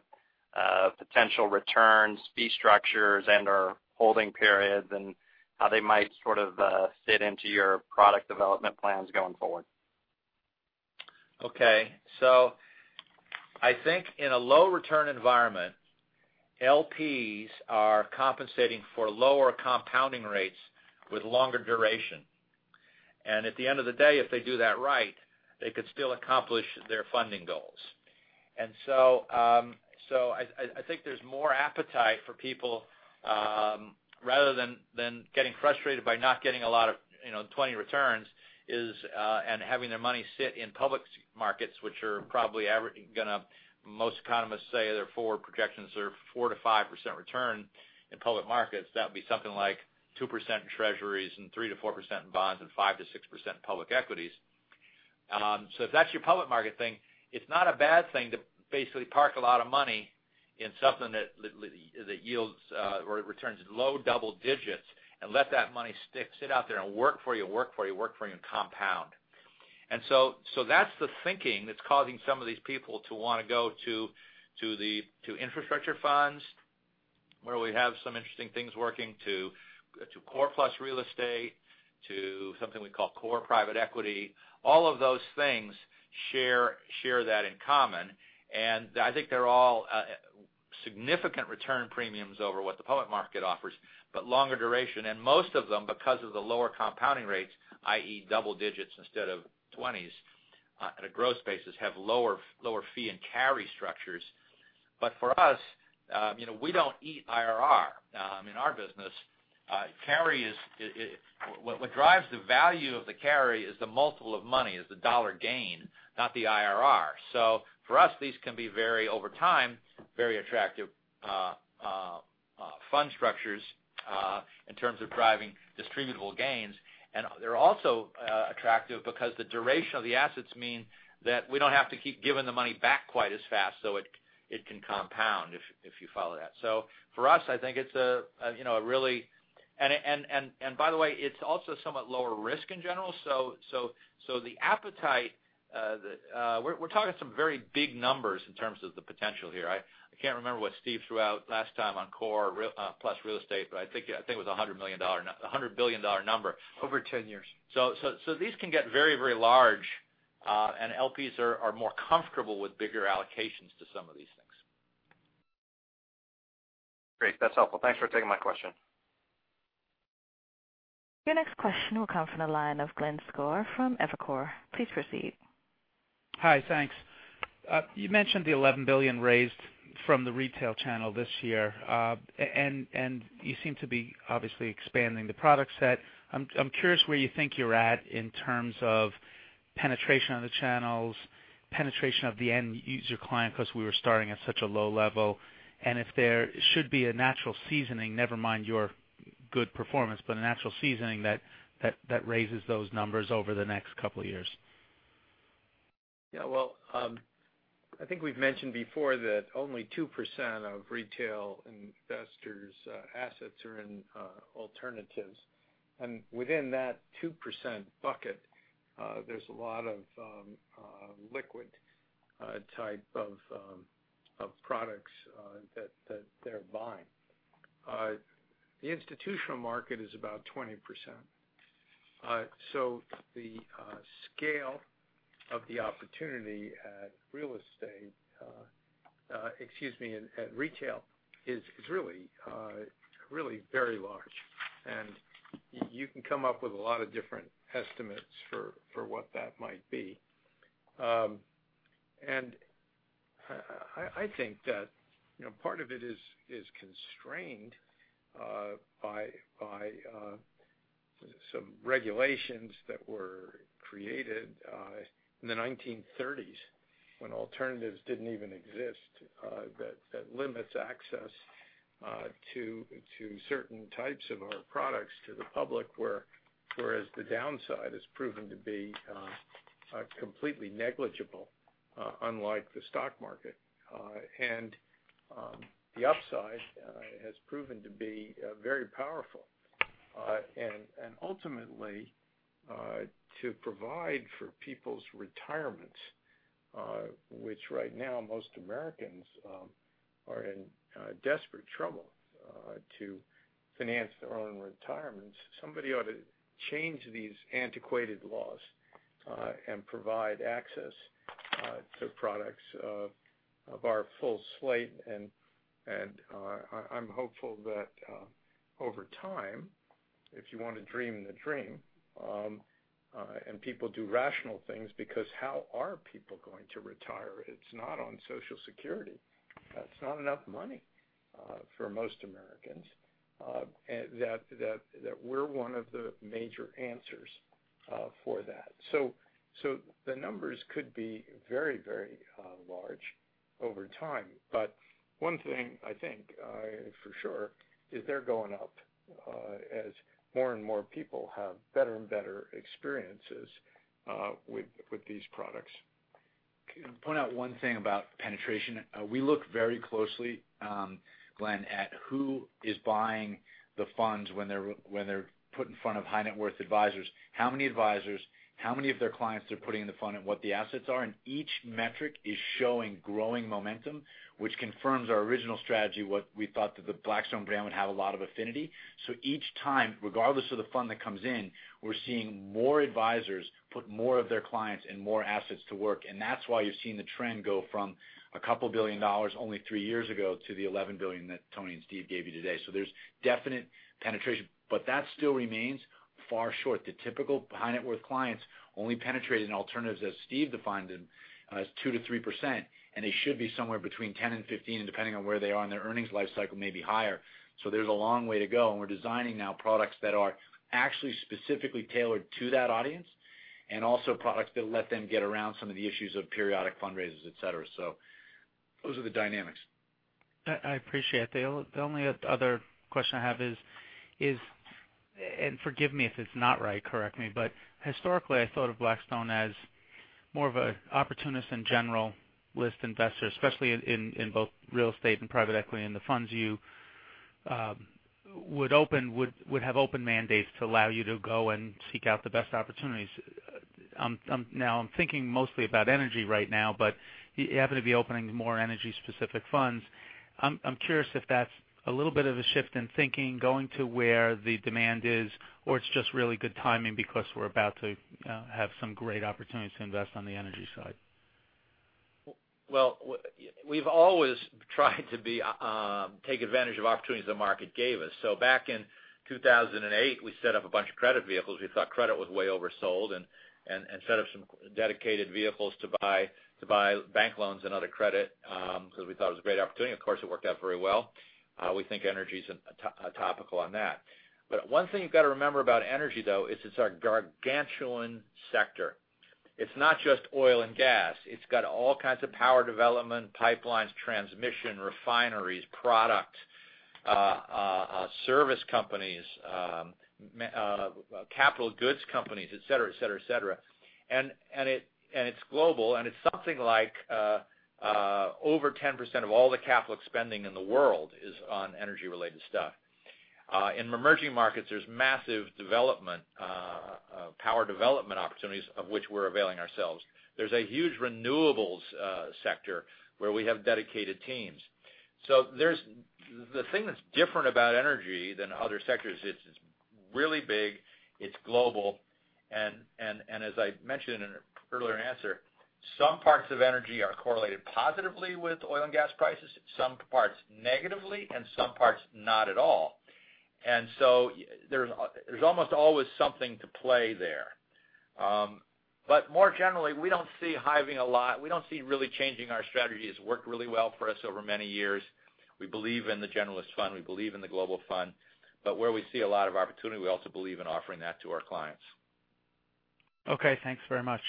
potential returns, fee structures, and/or holding periods, and how they might sort of fit into your product development plans going forward. Okay. I think in a low-return environment, LPs are compensating for lower compounding rates with longer duration. At the end of the day, if they do that right, they could still accomplish their funding goals. I think there's more appetite for people, rather than getting frustrated by not getting a lot of 20 returns, and having their money sit in public markets, which most economists say their forward projections are 4%-5% return in public markets. That would be something like 2% in Treasuries and 3%-4% in bonds and 5%-6% in public equities. If that's your public market thing, it's not a bad thing to basically park a lot of money in something that yields or returns low double digits and let that money sit out there and work for you and compound. That's the thinking that's causing some of these people to want to go to infrastructure funds, where we have some interesting things working to Core+ real estate, to something we call Core Private Equity. All of those things share that in common. I think they're all significant return premiums over what the public market offers, but longer duration. Most of them, because of the lower compounding rates, i.e., double digits instead of 20s at a gross basis, have lower fee and carry structures. For us, we don't eat IRR. In our business, what drives the value of the carry is the multiple of money, is the dollar gain, not the IRR. For us, these can be, over time, very attractive fund structures in terms of driving distributable gains. They're also attractive because the duration of the assets mean that we don't have to keep giving the money back quite as fast, so it can compound, if you follow that. By the way, it's also somewhat lower risk in general. We're talking some very big numbers in terms of the potential here. I can't remember what Steve threw out last time on Core+ real estate, but I think it was a $100 billion number. Over 10 years. These can get very large. LPs are more comfortable with bigger allocations to some of these things. Great. That's helpful. Thanks for taking my question. Your next question will come from the line of Glenn Schorr from Evercore. Please proceed. Hi. Thanks. You mentioned the $11 billion raised from the retail channel this year. You seem to be obviously expanding the product set. I'm curious where you think you're at in terms of penetration of the channels, penetration of the end user client, because we were starting at such a low level. If there should be a natural seasoning, never mind your good performance, but a natural seasoning that raises those numbers over the next couple of years. Yeah. Well, I think we've mentioned before that only 2% of retail investors' assets are in alternatives. Within that 2% bucket, there's a lot of liquid type of products that they're buying. The institutional market is about 20%. The scale of the opportunity at retail is really very large, and you can come up with a lot of different estimates for what that might be. I think that part of it is constrained by some regulations that were created in the 1930s When alternatives didn't even exist, that limits access to certain types of our products to the public, whereas the downside has proven to be completely negligible, unlike the stock market. The upside has proven to be very powerful. Ultimately, to provide for people's retirement, which right now, most Americans are in desperate trouble to finance their own retirements. Somebody ought to change these antiquated laws, and provide access to products of our full slate, and I'm hopeful that over time, if you want to dream the dream, and people do rational things, because how are people going to retire? It's not on social security. That's not enough money for most Americans. That we're one of the major answers for that. The numbers could be very large over time. One thing I think for sure is they're going up as more and more people have better and better experiences with these products. Can I point out one thing about penetration? We look very closely, Glenn, at who is buying the funds when they're put in front of high net worth advisors, how many advisors, how many of their clients they're putting in the fund, and what the assets are. Each metric is showing growing momentum, which confirms our original strategy, what we thought that the Blackstone brand would have a lot of affinity. Each time, regardless of the fund that comes in, we're seeing more advisors put more of their clients and more assets to work. That's why you're seeing the trend go from a couple billion USD only three years ago to the $11 billion that Tony and Steve gave you today. There's definite penetration, but that still remains far short. The typical high net worth clients only penetrated in alternatives, as Steve defined them, as 2%-3%, and they should be somewhere between 10% and 15%, and depending on where they are in their earnings life cycle, maybe higher. There's a long way to go, and we're designing now products that are actually specifically tailored to that audience, and also products that let them get around some of the issues of periodic fundraisers, et cetera. Those are the dynamics. I appreciate that. The only other question I have is, forgive me if it's not right, correct me, historically, I thought of Blackstone as more of an opportunist and generalist investor, especially in both real estate and private equity, and the funds you would open would have open mandates to allow you to go and seek out the best opportunities. Now, I'm thinking mostly about energy right now, you happen to be opening more energy-specific funds. I'm curious if that's a little bit of a shift in thinking, going to where the demand is, or it's just really good timing because we're about to have some great opportunities to invest on the energy side. We've always tried to take advantage of opportunities the market gave us. Back in 2008, we set up a bunch of credit vehicles. We thought credit was way oversold, set up some dedicated vehicles to buy bank loans and other credit, because we thought it was a great opportunity. Of course, it worked out very well. We think energy's topical on that. One thing you've got to remember about energy, though, is it's our gargantuan sector. It's not just oil and gas. It's got all kinds of power development, pipelines, transmission refineries, product service companies, capital goods companies, et cetera. It's global, and it's something like over 10% of all the capital spending in the world is on energy-related stuff. In emerging markets, there's massive development, power development opportunities of which we're availing ourselves. There's a huge renewables sector where we have dedicated teams. The thing that's different about energy than other sectors, it's really big, it's global, and as I mentioned in an earlier answer, some parts of energy are correlated positively with oil and gas prices, some parts negatively, and some parts not at all. There's almost always something to play there. More generally, we don't see hiving a lot. We don't see really changing our strategies. It's worked really well for us over many years. We believe in the generalist fund. We believe in the global fund. Where we see a lot of opportunity, we also believe in offering that to our clients. Okay, thanks very much.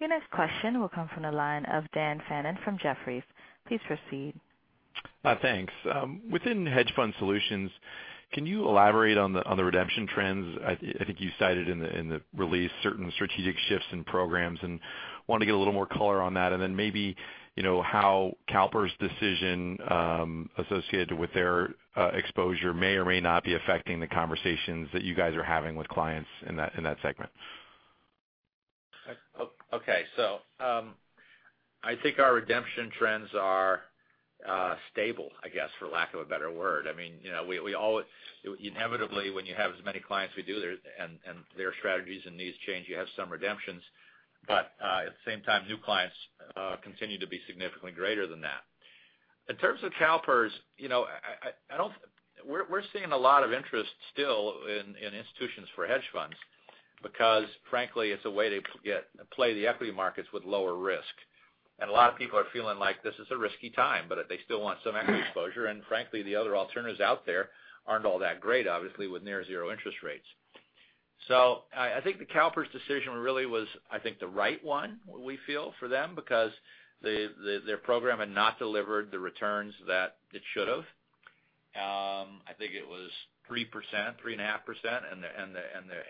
Your next question will come from the line of Daniel Fannon from Jefferies. Please proceed. Thanks. Within hedge fund solutions, can you elaborate on the redemption trends? I think you cited in the release certain strategic shifts in programs, and wanted to get a little more color on that. Then maybe how CalPERS' decision associated with their exposure may or may not be affecting the conversations that you guys are having with clients in that segment. Okay. I think our redemption trends are stable, I guess, for lack of a better word. Inevitably, when you have as many clients as we do there, and their strategies and needs change, you have some redemptions. At the same time, new clients continue to be significantly greater than that. In terms of CalPERS, we're seeing a lot of interest still in institutions for hedge funds because frankly, it's a way to play the equity markets with lower risk A lot of people are feeling like this is a risky time, they still want some active exposure. Frankly, the other alternatives out there aren't all that great, obviously, with near zero interest rates. I think the CalPERS decision really was, I think, the right one, we feel for them, because their program had not delivered the returns that it should have. I think it was 3%, 3.5%, and the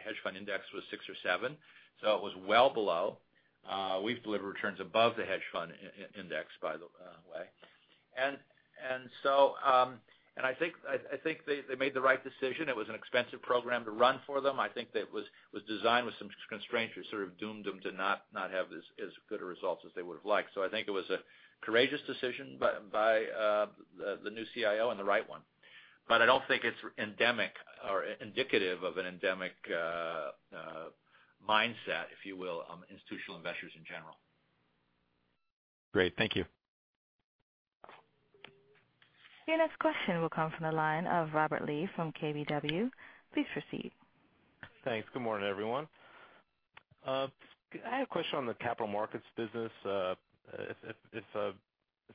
hedge fund index was six or seven, so it was well below. We've delivered returns above the hedge fund index, by the way. I think they made the right decision. It was an expensive program to run for them. I think that was designed with some constraints which sort of doomed them to not have as good a results as they would've liked. I think it was a courageous decision by the new CIO and the right one. I don't think it's endemic or indicative of an endemic mindset, if you will, on institutional investors in general. Great. Thank you. Your next question will come from the line of Robert Lee from KBW. Please proceed. Thanks. Good morning, everyone. I have a question on the capital markets business. If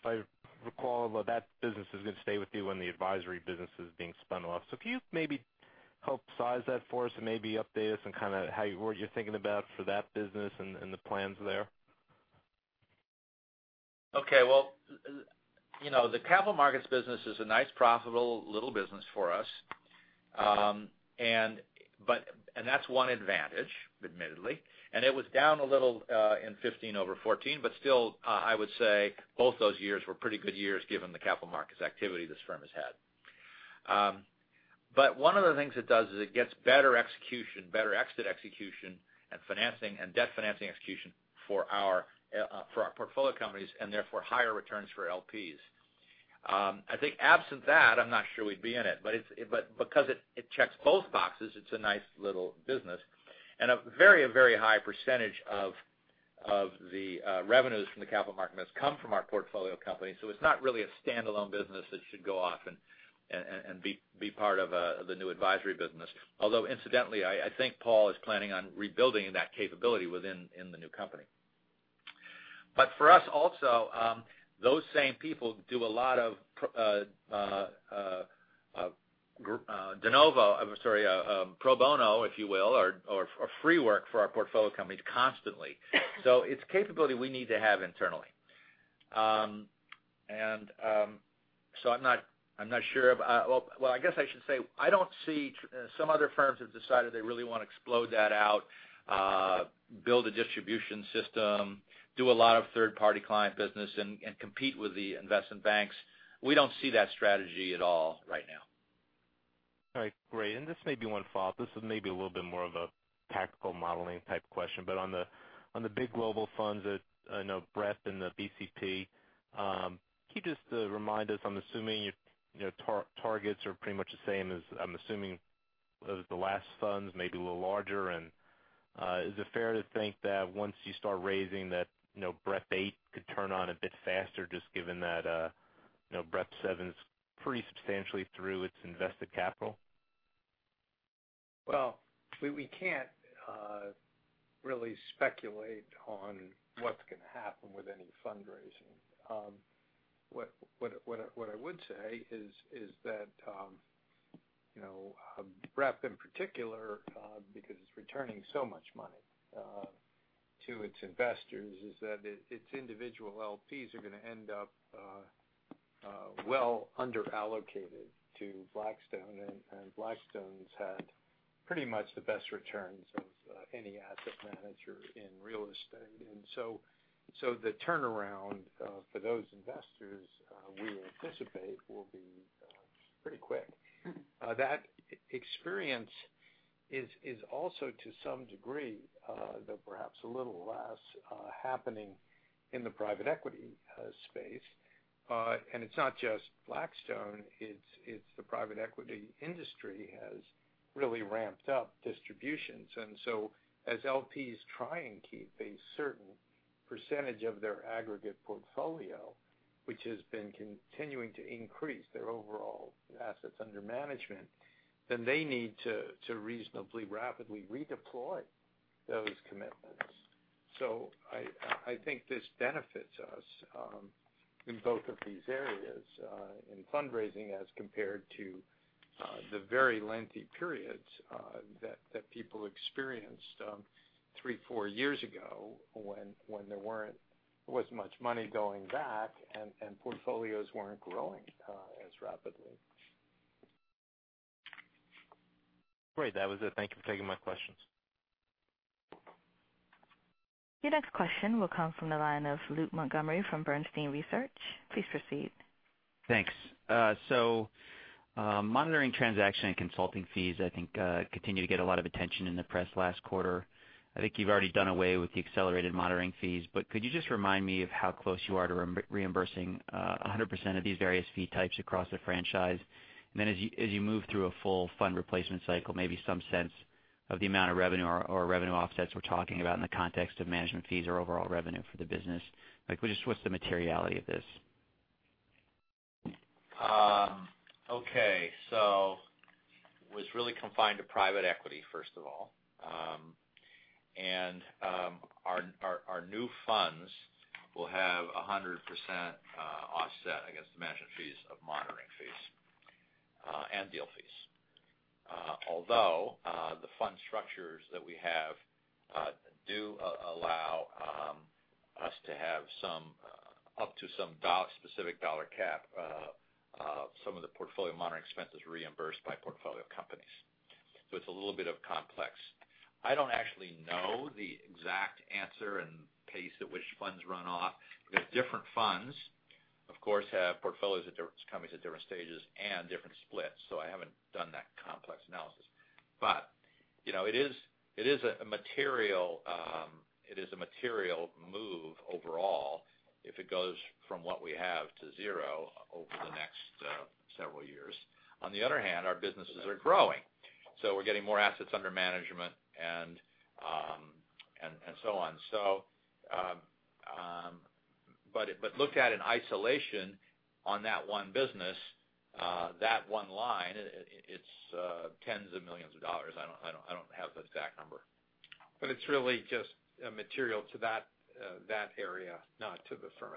I recall, that business is going to stay with you when the advisory business is being spun off. Can you maybe help size that for us and maybe update us on what you're thinking about for that business and the plans there? Okay. Well, the capital markets business is a nice profitable little business for us. That's one advantage, admittedly. It was down a little in 2015 over 2014. Still, I would say both those years were pretty good years given the capital markets activity this firm has had. One of the things it does is it gets better execution, better exit execution, and debt financing execution for our portfolio companies and therefore higher returns for LPs. I think absent that, I'm not sure we'd be in it, but because it checks both boxes, it's a nice little business. A very high percentage of the revenues from the capital market has come from our portfolio company. It's not really a standalone business that should go off and be part of the new advisory business. Although incidentally, I think Paul is planning on rebuilding that capability within the new company. For us also, those same people do a lot of pro bono, if you will, or free work for our portfolio companies constantly. It's capability we need to have internally. I'm not sure. Well, I guess I should say, some other firms have decided they really want to explode that out, build a distribution system, do a lot of third-party client business, and compete with the investment banks. We don't see that strategy at all right now. All right, great. This may be one follow-up. This is maybe a little bit more of a tactical modeling type question, but on the big global funds that I know BREP and the BCP, can you just remind us, I'm assuming your targets are pretty much the same as, I'm assuming, as the last funds, maybe a little larger. Is it fair to think that once you start raising that BREP VIII could turn on a bit faster just given that BREP VII's pretty substantially through its invested capital? Well, we can't really speculate on what's going to happen with any fundraising. What I would say is that BREP in particular, because it's returning so much money to its investors, is that its individual LPs are going to end up well under-allocated to Blackstone, and Blackstone's had pretty much the best returns of any asset manager in real estate. The turnaround for those investors we anticipate will be pretty quick. That experience is also to some degree, though perhaps a little less, happening in the private equity space. It's not just Blackstone, it's the private equity industry has really ramped up distributions. As LPs try and keep a certain percentage of their aggregate portfolio, which has been continuing to increase their overall assets under management, then they need to reasonably rapidly redeploy those commitments. I think this benefits us in both of these areas in fundraising as compared to the very lengthy periods that people experienced three, four years ago when there wasn't much money going back and portfolios weren't growing as rapidly. Great. That was it. Thank you for taking my questions. Your next question will come from the line of Luke Montgomery from Bernstein Research. Please proceed. Thanks. Monitoring transaction and consulting fees, I think, continued to get a lot of attention in the press last quarter. I think you've already done away with the accelerated monitoring fees. Could you just remind me of how close you are to reimbursing 100% of these various fee types across the franchise? Then as you move through a full fund replacement cycle, maybe some sense of the amount of revenue or revenue offsets we're talking about in the context of management fees or overall revenue for the business. Just what's the materiality of this? Okay. It was really confined to private equity, first of all. Our new funds will have 100% offset against the management fees of monitoring fees and deal fees. Although the fund structures that we have do allow us to have up to some specific dollar cap, some of the portfolio monitoring expenses reimbursed by portfolio companies. It's a little bit complex. I don't actually know the exact answer and pace at which funds run off. The different funds, of course, have portfolios at different companies at different stages and different splits. I haven't done that complex analysis. It is a material move overall if it goes from what we have to zero over the next several years. On the other hand, our businesses are growing. We're getting more assets under management and so on. Looked at in isolation on that one business, that one line, it's tens of millions of dollars. I don't have the exact number. It's really just material to that area, not to the firm.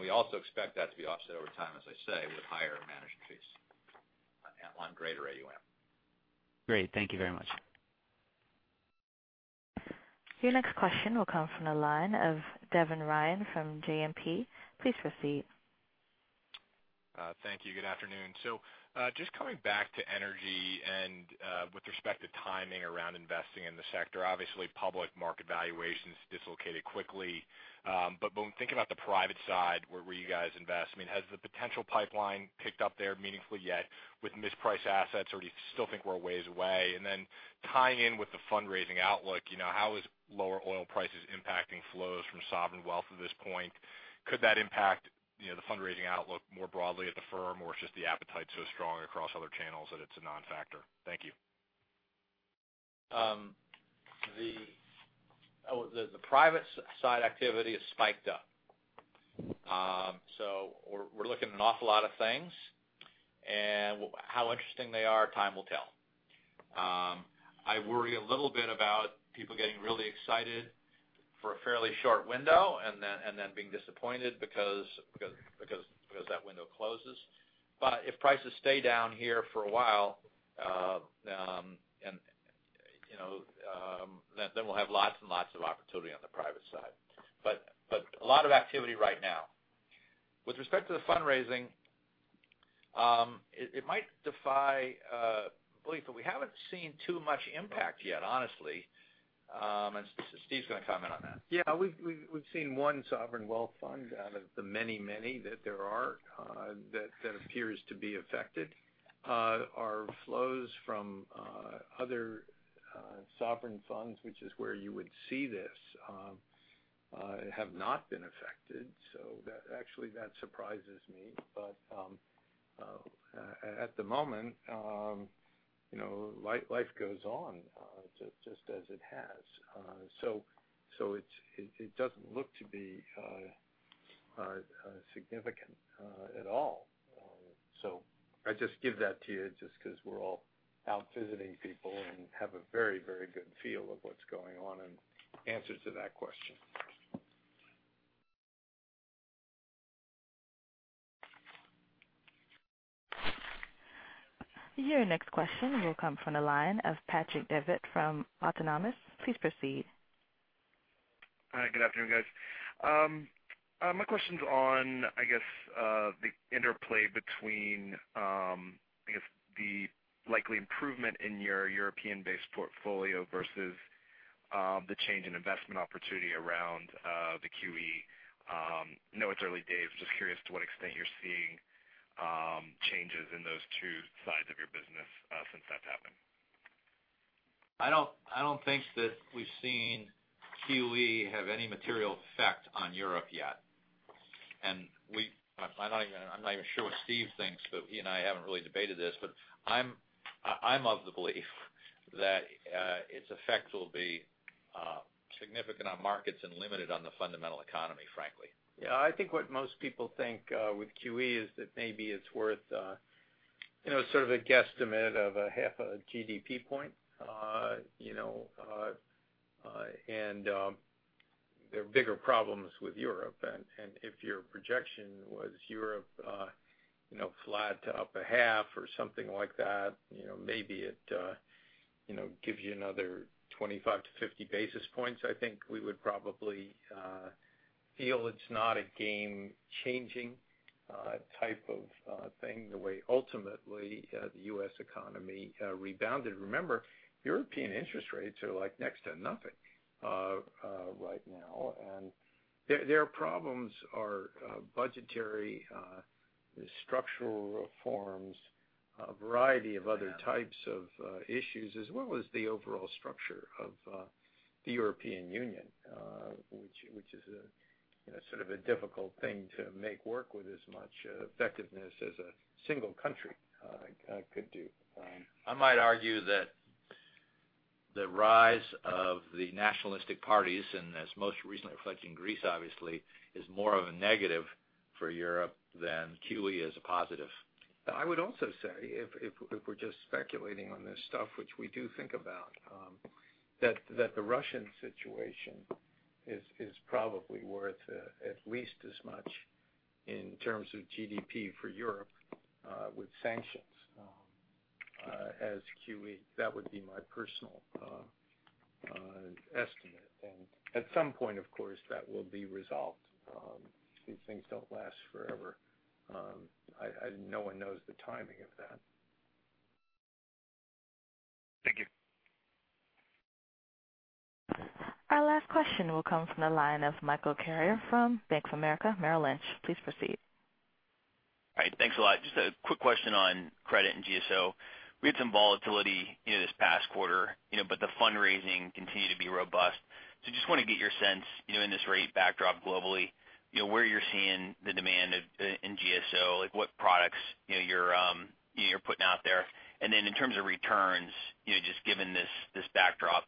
We also expect that to be offset over time, as I say, with higher management fees and greater AUM. Great. Thank you very much. Your next question will come from the line of Devin Ryan from JMP. Please proceed. Thank you. Good afternoon. Just coming back to energy and with respect to timing around investing in the sector, obviously public market valuations dislocated quickly. When thinking about the private side where you guys invest, has the potential pipeline picked up there meaningfully yet with mispriced assets or do you still think we're a ways away? Tying in with the fundraising outlook, how is lower oil prices impacting flows from sovereign wealth at this point? Could that impact the fundraising outlook more broadly at the firm or is just the appetite so strong across other channels that it's a non-factor? Thank you. The private side activity has spiked up. We're looking at an awful lot of things. How interesting they are, time will tell. I worry a little bit about people getting really excited for a fairly short window and then being disappointed because that window closes. If prices stay down here for a while, we'll have lots and lots of opportunity on the private side. A lot of activity right now. With respect to the fundraising, it might defy belief that we haven't seen too much impact yet, honestly. Steve's going to comment on that. Yeah, we've seen one sovereign wealth fund out of the many, many that there are that appears to be affected. Our flows from other sovereign funds, which is where you would see this, have not been affected. Actually that surprises me. At the moment, life goes on just as it has. It doesn't look to be significant at all. I just give that to you just because we're all out visiting people and have a very, very good feel of what's going on in answer to that question. Your next question will come from the line of Patrick Davitt from Autonomous. Please proceed. Hi, good afternoon, guys. My question's on the interplay between the likely improvement in your European-based portfolio versus the change in investment opportunity around the QE. I know it's early days. Just curious to what extent you're seeing changes in those two sides of your business since that's happened. I don't think that we've seen QE have any material effect on Europe yet. I'm not even sure what Steve thinks, but he and I haven't really debated this. I'm of the belief that its effects will be significant on markets and limited on the fundamental economy, frankly. Yeah. I think what most people think with QE is that maybe it's worth sort of a guesstimate of a half a GDP point. There are bigger problems with Europe. If your projection was Europe flat to up a half or something like that, maybe it gives you another 25 to 50 basis points. I think we would probably feel it's not a game-changing type of thing the way ultimately the U.S. economy rebounded. Remember, European interest rates are next to nothing right now. Their problems are budgetary structural reforms, a variety of other types of issues, as well as the overall structure of the European Union which is sort of a difficult thing to make work with as much effectiveness as a single country could do. I might argue that The rise of the nationalistic parties, and as most recently reflected in Greece, obviously, is more of a negative for Europe than QE as a positive. I would also say, if we're just speculating on this stuff, which we do think about, that the Russian situation is probably worth at least as much in terms of GDP for Europe with sanctions as QE. That would be my personal estimate. At some point, of course, that will be resolved. These things don't last forever. No one knows the timing of that. Thank you. Our last question will come from the line of Michael Carrier from Bank of America Merrill Lynch. Please proceed. All right. Thanks a lot. Just a quick question on credit and GSO. We had some volatility this past quarter. The fundraising continued to be robust. Just want to get your sense in this rate backdrop globally, where you're seeing the demand in GSO, like what products you're putting out there. In terms of returns, just given this backdrop,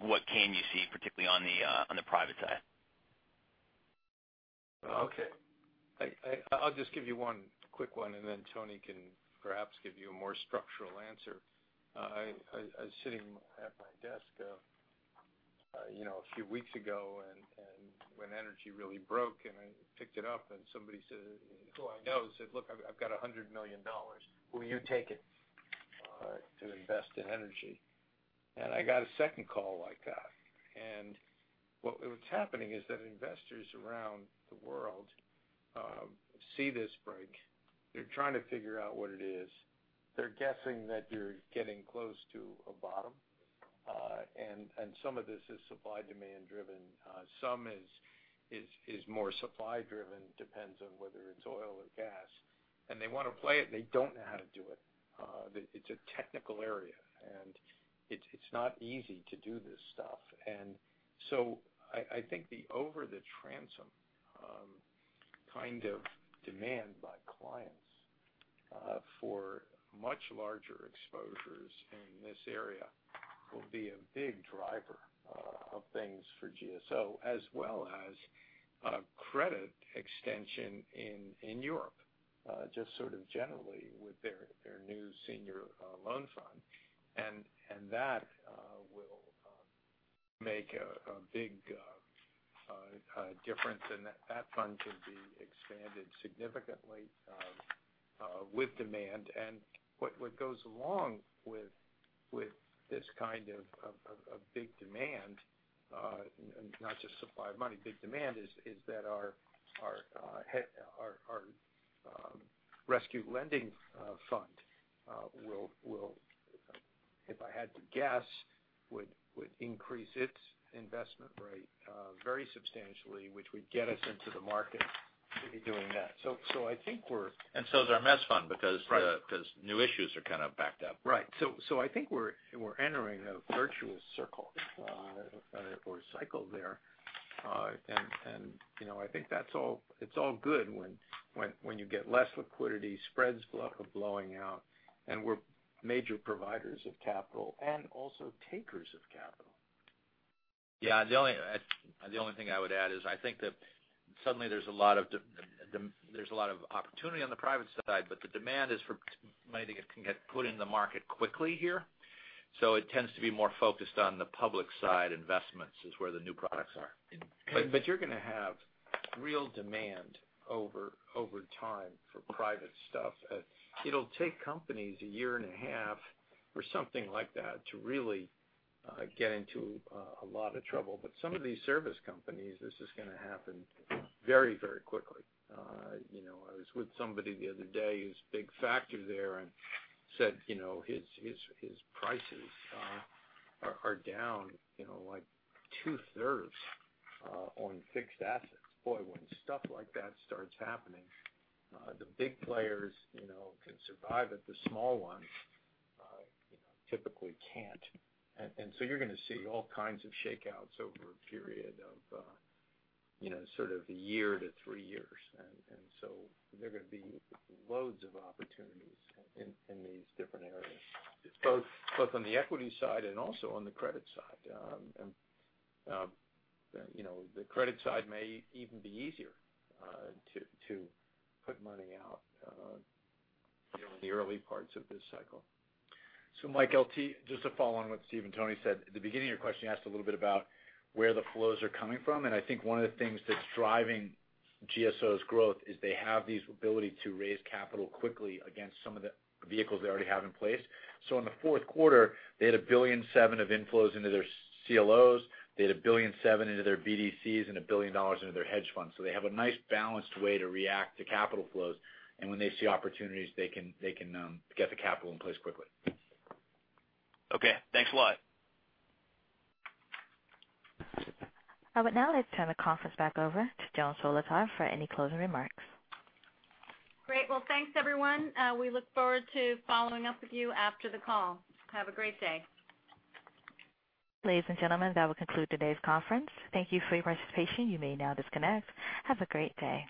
what can you see particularly on the private side? Okay. I'll just give you one quick one. Tony can perhaps give you a more structural answer. I was sitting at my desk a few weeks ago, and when energy really broke, and I picked it up, and somebody who I know said, "Look, I've got $100 million. Will you take it to invest in energy?" I got a second call like that. What was happening is that investors around the world see this break. They're trying to figure out what it is. They're guessing that you're getting close to a bottom. Some of this is supply-demand driven. Some is more supply driven, depends on whether it's oil or gas. They want to play it, and they don't know how to do it. It's a technical area, and it's not easy to do this stuff. I think the over the transom kind of demand by clients for much larger exposures in this area will be a big driver of things for GSO, as well as credit extension in Europe, just sort of generally with their new senior loan fund. That will make a big difference. That fund can be expanded significantly with demand. What goes along with this kind of big demand, not just supply of money, big demand, is that our rescue lending fund will, if I had to guess, would increase its investment rate very substantially, which would get us into the market doing that. I think we're- Is our MES fund because- Right new issues are kind of backed up. Right. I think we're entering a virtuous circle or cycle there. I think it's all good when you get less liquidity, spreads blowing out, and we're major providers of capital and also takers of capital. Yeah. The only thing I would add is I think that suddenly there's a lot of opportunity on the private side, but the demand is for money that can get put in the market quickly here. It tends to be more focused on the public side investments is where the new products are. You're going to have real demand over time for private stuff. It'll take companies a year and a half or something like that to really get into a lot of trouble. Some of these service companies, this is going to happen very quickly. I was with somebody the other day who's a big factor there and said his prices are down like two-thirds on fixed assets. Boy, when stuff like that starts happening, the big players can survive it. The small ones typically can't. You're going to see all kinds of shakeouts over a period of sort of a year to three years. There are going to be loads of opportunities in these different areas, both on the equity side and also on the credit side. The credit side may even be easier to put money out in the early parts of this cycle. Mike LT, just to follow on what Steve and Tony said, at the beginning of your question, you asked a little bit about where the flows are coming from, and I think one of the things that's driving GSO's growth is they have this ability to raise capital quickly against some of the vehicles they already have in place. In the fourth quarter, they had $1.7 billion of inflows into their CLOs. They had $1.7 billion into their BDCs and $1 billion into their hedge funds. They have a nice balanced way to react to capital flows. When they see opportunities, they can get the capital in place quickly. Okay. Thanks a lot. I would now like to turn the conference back over to Joan Solotar for any closing remarks. Great. Well, thanks everyone. We look forward to following up with you after the call. Have a great day. Ladies and gentlemen, that will conclude today's conference. Thank you for your participation. You may now disconnect. Have a great day.